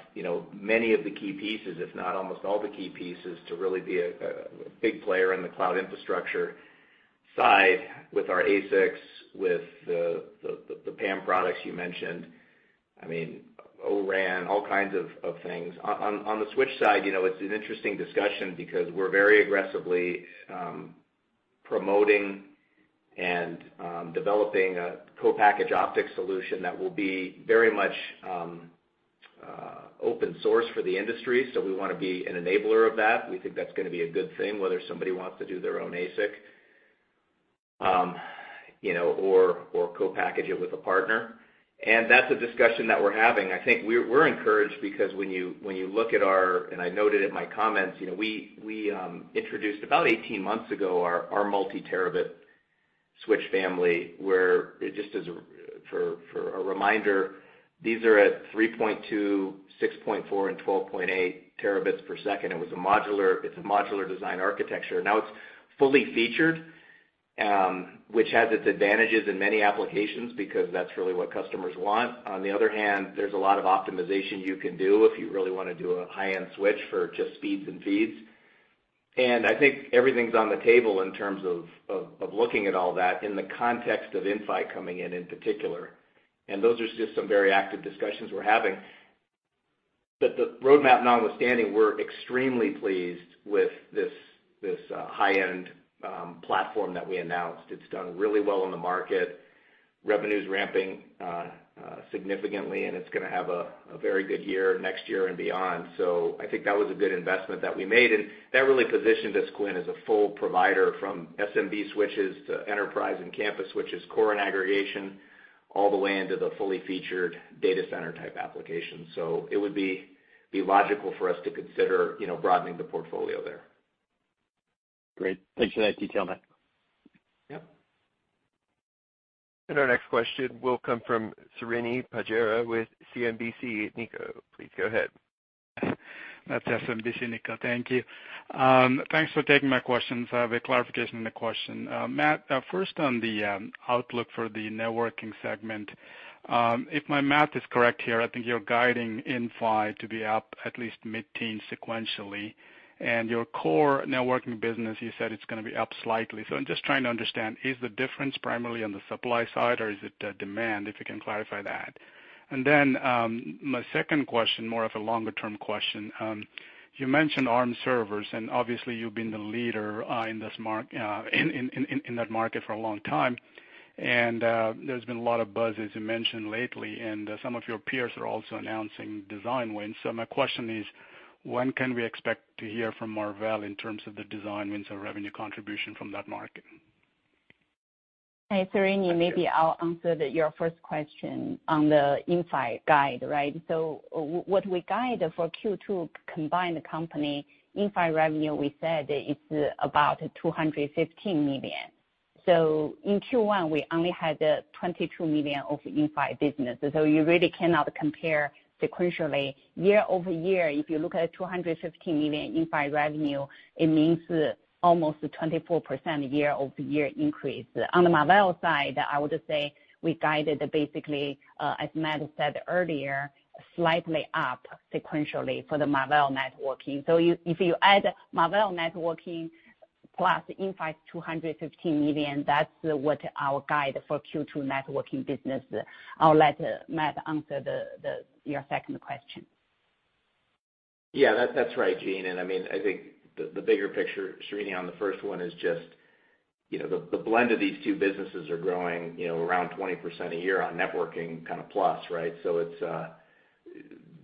many of the key pieces, if not almost all the key pieces, to really be a big player in the cloud infrastructure side with our ASICs, with the PAM products you mentioned, O-RAN, all kinds of things. On the switch side, it's an interesting discussion because we're very aggressively promoting and developing a Co-Packaged Optics solution that will be very much open source for the industry so we want to be an enabler of that. We think that's going to be a good thing, whether somebody wants to do their own ASIC or co-package it with a partner. That's a discussion that we're having. I think we're encouraged because when you look at our, and I noted in my comments, we introduced about 18 months ago our multi-terabit switch family, where just as for a reminder, these are at 3.2 Tbps, 6.4 Tbps, and 12.8 Tbps. It's a modular design architecture. Now, it's fully featured, which has its advantages in many applications because that's really what customers want. On the other hand, there's a lot of optimization you can do if you really want to do a high-end switch for just speeds and feeds. I think everything's on the table in terms of looking at all that in the context of Inphi coming in particular. Those are just some very active discussions we're having. The roadmap notwithstanding, we're extremely pleased with this high-end platform that we announced. It's done really well in the market. Revenue's ramping significantly, and it's going to have a very good year next year and beyond. I think that was a good investment that we made, and that really positioned us, Quinn, as a full provider from SMB switches to enterprise and campus switches, core and aggregation, all the way into the fully featured data center type application. It would be logical for us to consider broadening the portfolio there. Great. Thanks for that detail, Matt. Yep. Our next question will come from Srini Pajjuri with SMBC Nikko, please go ahead. Matt, Srini Pajjuri with SMBC Nikko. Thank you. Thanks for taking my questions. I have a clarification and a question. Matt, first on the outlook for the networking segment. If my math is correct here, I think you're guiding Inphi to be up at least mid-teen sequentially, and your core networking business, you said it's going to be up slightly. I'm just trying to understand, is the difference primarily on the supply side or is it demand? If you can clarify that. Then my second question, more of a longer-term question. You mentioned Arm servers, and obviously you've been the leader in that market for a long time. There's been a lot of buzz, as you mentioned lately, and some of your peers are also announcing design wins. My question is, when can we expect to hear from Marvell in terms of the design wins or revenue contribution from that market? Hey, Srini, maybe I'll answer your first question on the Inphi guide, right? What we guide for Q2 combined company Inphi revenue, we said it's about $215 million. In Q1, we only had $22 million of Inphi business, so you really cannot compare sequentially. Year-over-year, if you look at $215 million Inphi revenue, it means almost a 24% year-over-year increase. On the Marvell side, I would say we guided basically, as Matt Murphy said earlier, slightly up sequentially for the Marvell networking. If you add Marvell networking plus Inphi $215 million, that's what our guide for Q2 networking business. I'll let Matt answer your second question. Yeah. That's right, Jean. I think the bigger picture, Srini, on the first one is just the blend of these two businesses are growing around 20% a year on networking plus, right? It's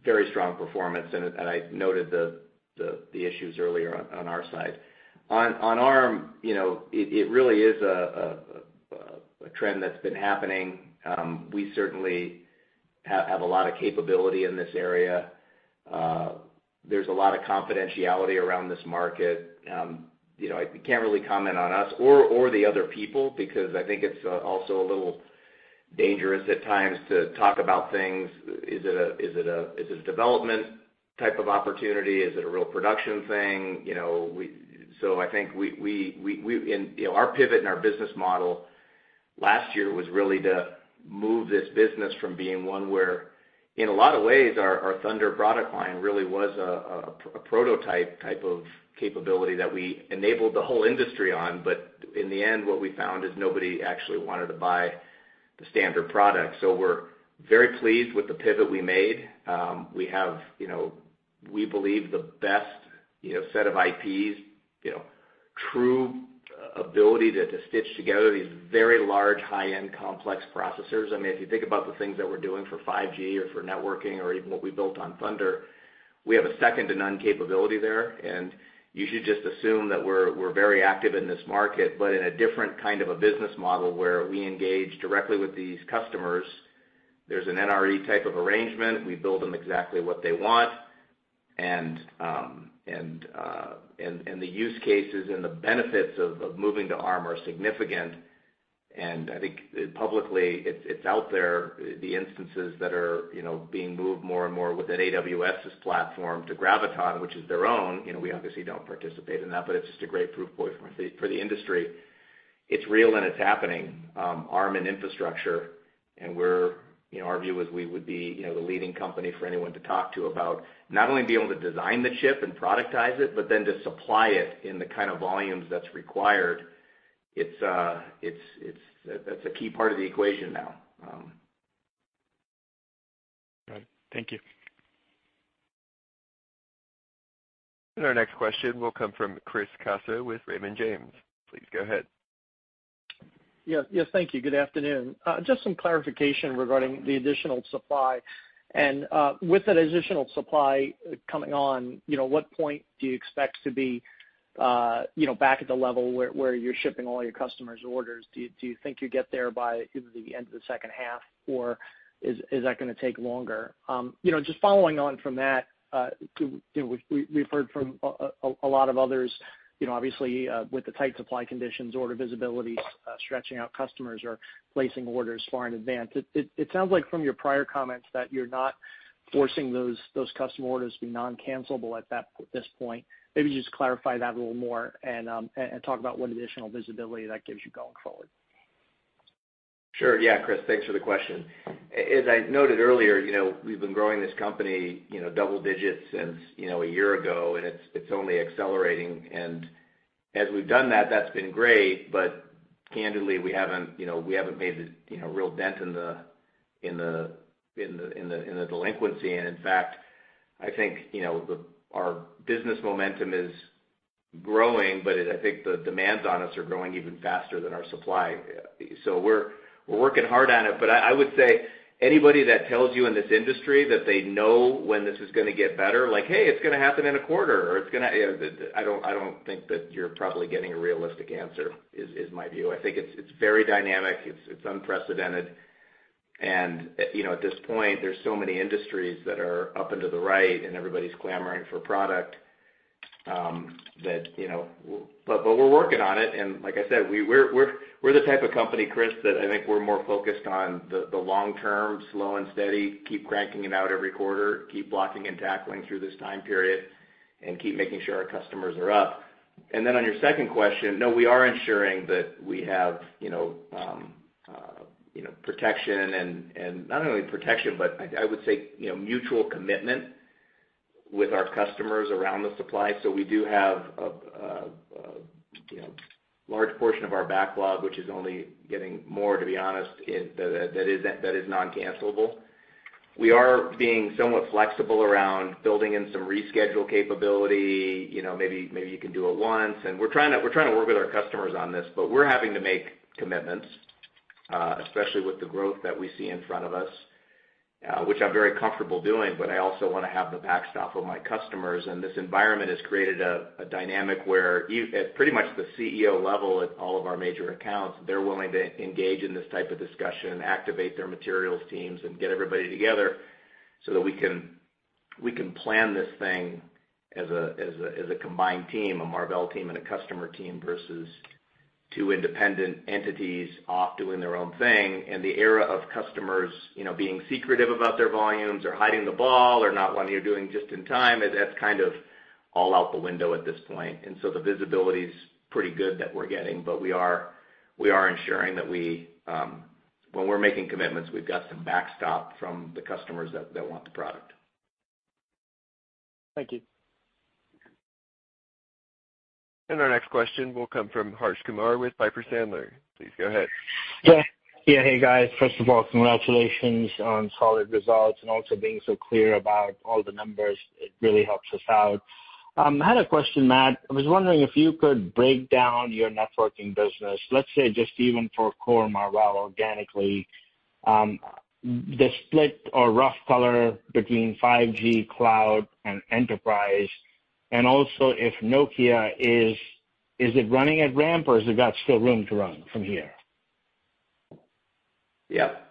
very strong performance, and I noted the issues earlier on our side. On Arm, it really is a trend that's been happening. We certainly have a lot of capability in this area. There's a lot of confidentiality around this market. I can't really comment on us or the other people because I think it's also a little dangerous at times to talk about things. Is it a development type of opportunity? Is it a real production thing? I think our pivot in our business model last year was really to move this business from being one where in a lot of ways our Thunder product line really was a prototype type of capability that we enabled the whole industry on. In the end, what we found is nobody actually wanted to buy the standard product. We're very pleased with the pivot we made. We have, we believe, the best set of IPs, true ability to stitch together these very large, high-end, complex processors. If you think about the things that we're doing for 5G or for networking or even what we built on Thunder, we have a second-to-none capability there, and you should just assume that we're very active in this market, but in a different kind of a business model where we engage directly with these customers. There's an NRE type of arrangement. We build them exactly what they want. The use cases and the benefits of moving to Arm are significant. I think publicly, it's out there, the instances that are being moved more and more within AWS's platform to Graviton, which is their own. We obviously don't participate in that, it's just a great proof point for the industry. It's real, and it's happening. Arm and infrastructure. Our view is we would be the leading company for anyone to talk to about not only being able to design the chip and productize it, but then to supply it in the kind of volumes that's required, that's a key part of the equation now. Got it. Thank you. Our next question will come from Chris Caso with Raymond James. Please go ahead. Yes. Thank you. Good afternoon. Just some clarification regarding the additional supply. With that additional supply coming on, what point do you expect to be back at the level where you're shipping all your customers' orders? Do you think you get there by the end of the second half, or is that going to take longer? Just following on from that, we've heard from a lot of others, obviously, with the tight supply conditions, order visibility, stretching out customers or placing orders far in advance. It sounds like from your prior comments that you're not forcing those customer orders to be non-cancelable at this point. Maybe just clarify that a little more and talk about what additional visibility that gives you going forward. Sure. Chris, thanks for the question. As I noted earlier, we've been growing this company double-digits since a year ago, and it's only accelerating. As we've done that's been great, but candidly, we haven't made a real dent in the delinquency. In fact, I think, our business momentum is growing, but I think the demands on us are growing even faster than our supply. We're working hard on it. I would say anybody that tells you in this industry that they know when this is going to get better, like, "Hey, it's going to happen in a quarter," I don't think that you're probably getting a realistic answer, is my view. I think it's very dynamic. It's unprecedented. At this point, there's so many industries that are up into the right, and everybody's clamoring for product. We're working on it, and like I said, we're the type of company, Chris, that I think we're more focused on the long term, slow and steady, keep cranking it out every quarter, keep blocking and tackling through this time period, and keep making sure our customers are up. Then on your second question, no, we are ensuring that we have protection and not only protection, but I would say, mutual commitment with our customers around the supply. We do have a large portion of our backlog, which is only getting more, to be honest, that is non-cancelable. We are being somewhat flexible around building in some reschedule capability, maybe you can do it once. We're trying to work with our customers on this, but we're having to make commitments, especially with the growth that we see in front of us, which I'm very comfortable doing, but I also want to have the backstop of my customers. This environment has created a dynamic where pretty much the CEO level at all of our major accounts, they're willing to engage in this type of discussion, activate their materials teams, and get everybody together so that we can plan this thing as a combined team, a Marvell team, and a customer team versus two independent entities off doing their own thing. The era of customers being secretive about their volumes or hiding the ball or not wanting or doing just in time, that's kind of all out the window at this point. The visibility's pretty good that we're getting, but we are ensuring that when we're making commitments, we've got some backstop from the customers that want the product. Thank you. Our next question will come from Harsh Kumar with Piper Sandler. Please go ahead. Hey, guys. First of all, congratulations on solid results and also being so clear about all the numbers. It really helps us out. I had a question, Matt. I was wondering if you could break down your networking business, let's say just even for core Marvell organically, the split or rough color between 5G, cloud, and enterprise. Also if Nokia, is it running at ramp, or has it got still room to run from here?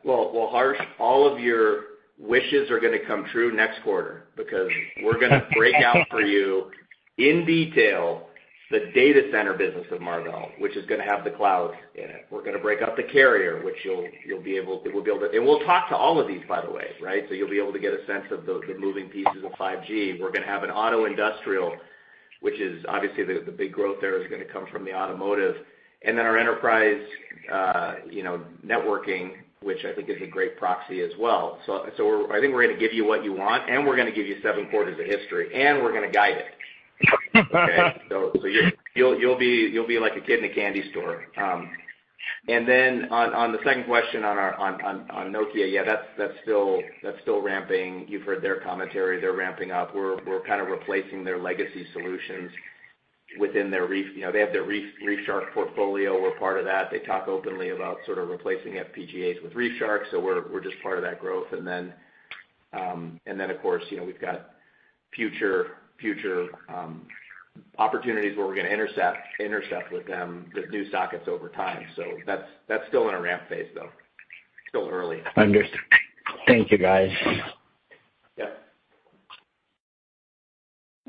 Well, Harsh, all of your wishes are going to come true next quarter because we're going to break out for you in detail the Data Center business of Marvell, which is going to have the cloud in it. We're going to break out the Carrier. We'll talk to all of these, by the way. You'll be able to get a sense of the moving pieces of 5G. We're going to have an Auto/Industrial, which is obviously the big growth there is going to come from the Automotive. Our Enterprise Networking, which I think is a great proxy as well. I think we're going to give you what you want, and we're going to give you seven quarters of history, and we're going to guide it. Okay? You'll be like a kid in a candy store. And then on the second question on Nokia, yeah, that's still ramping. You've heard their commentary. They're ramping up. We're kind of replacing their legacy solutions within their Reef- they have their ReefShark portfolio. We're part of that. They talk openly about sort of replacing FPGAs with ReefShark. We're just part of that growth and then of course, we've got future opportunities where we're going to intercept with them with new sockets over time. That's still in a ramp phase, though. Still early. Understood. Thank you, guys. Yeah.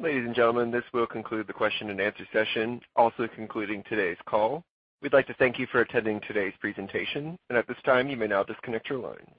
Ladies and gentlemen, this will conclude the question-and-answer session, also concluding today's call. We'd like to thank you for attending today's presentation. At this time, you may now disconnect your line.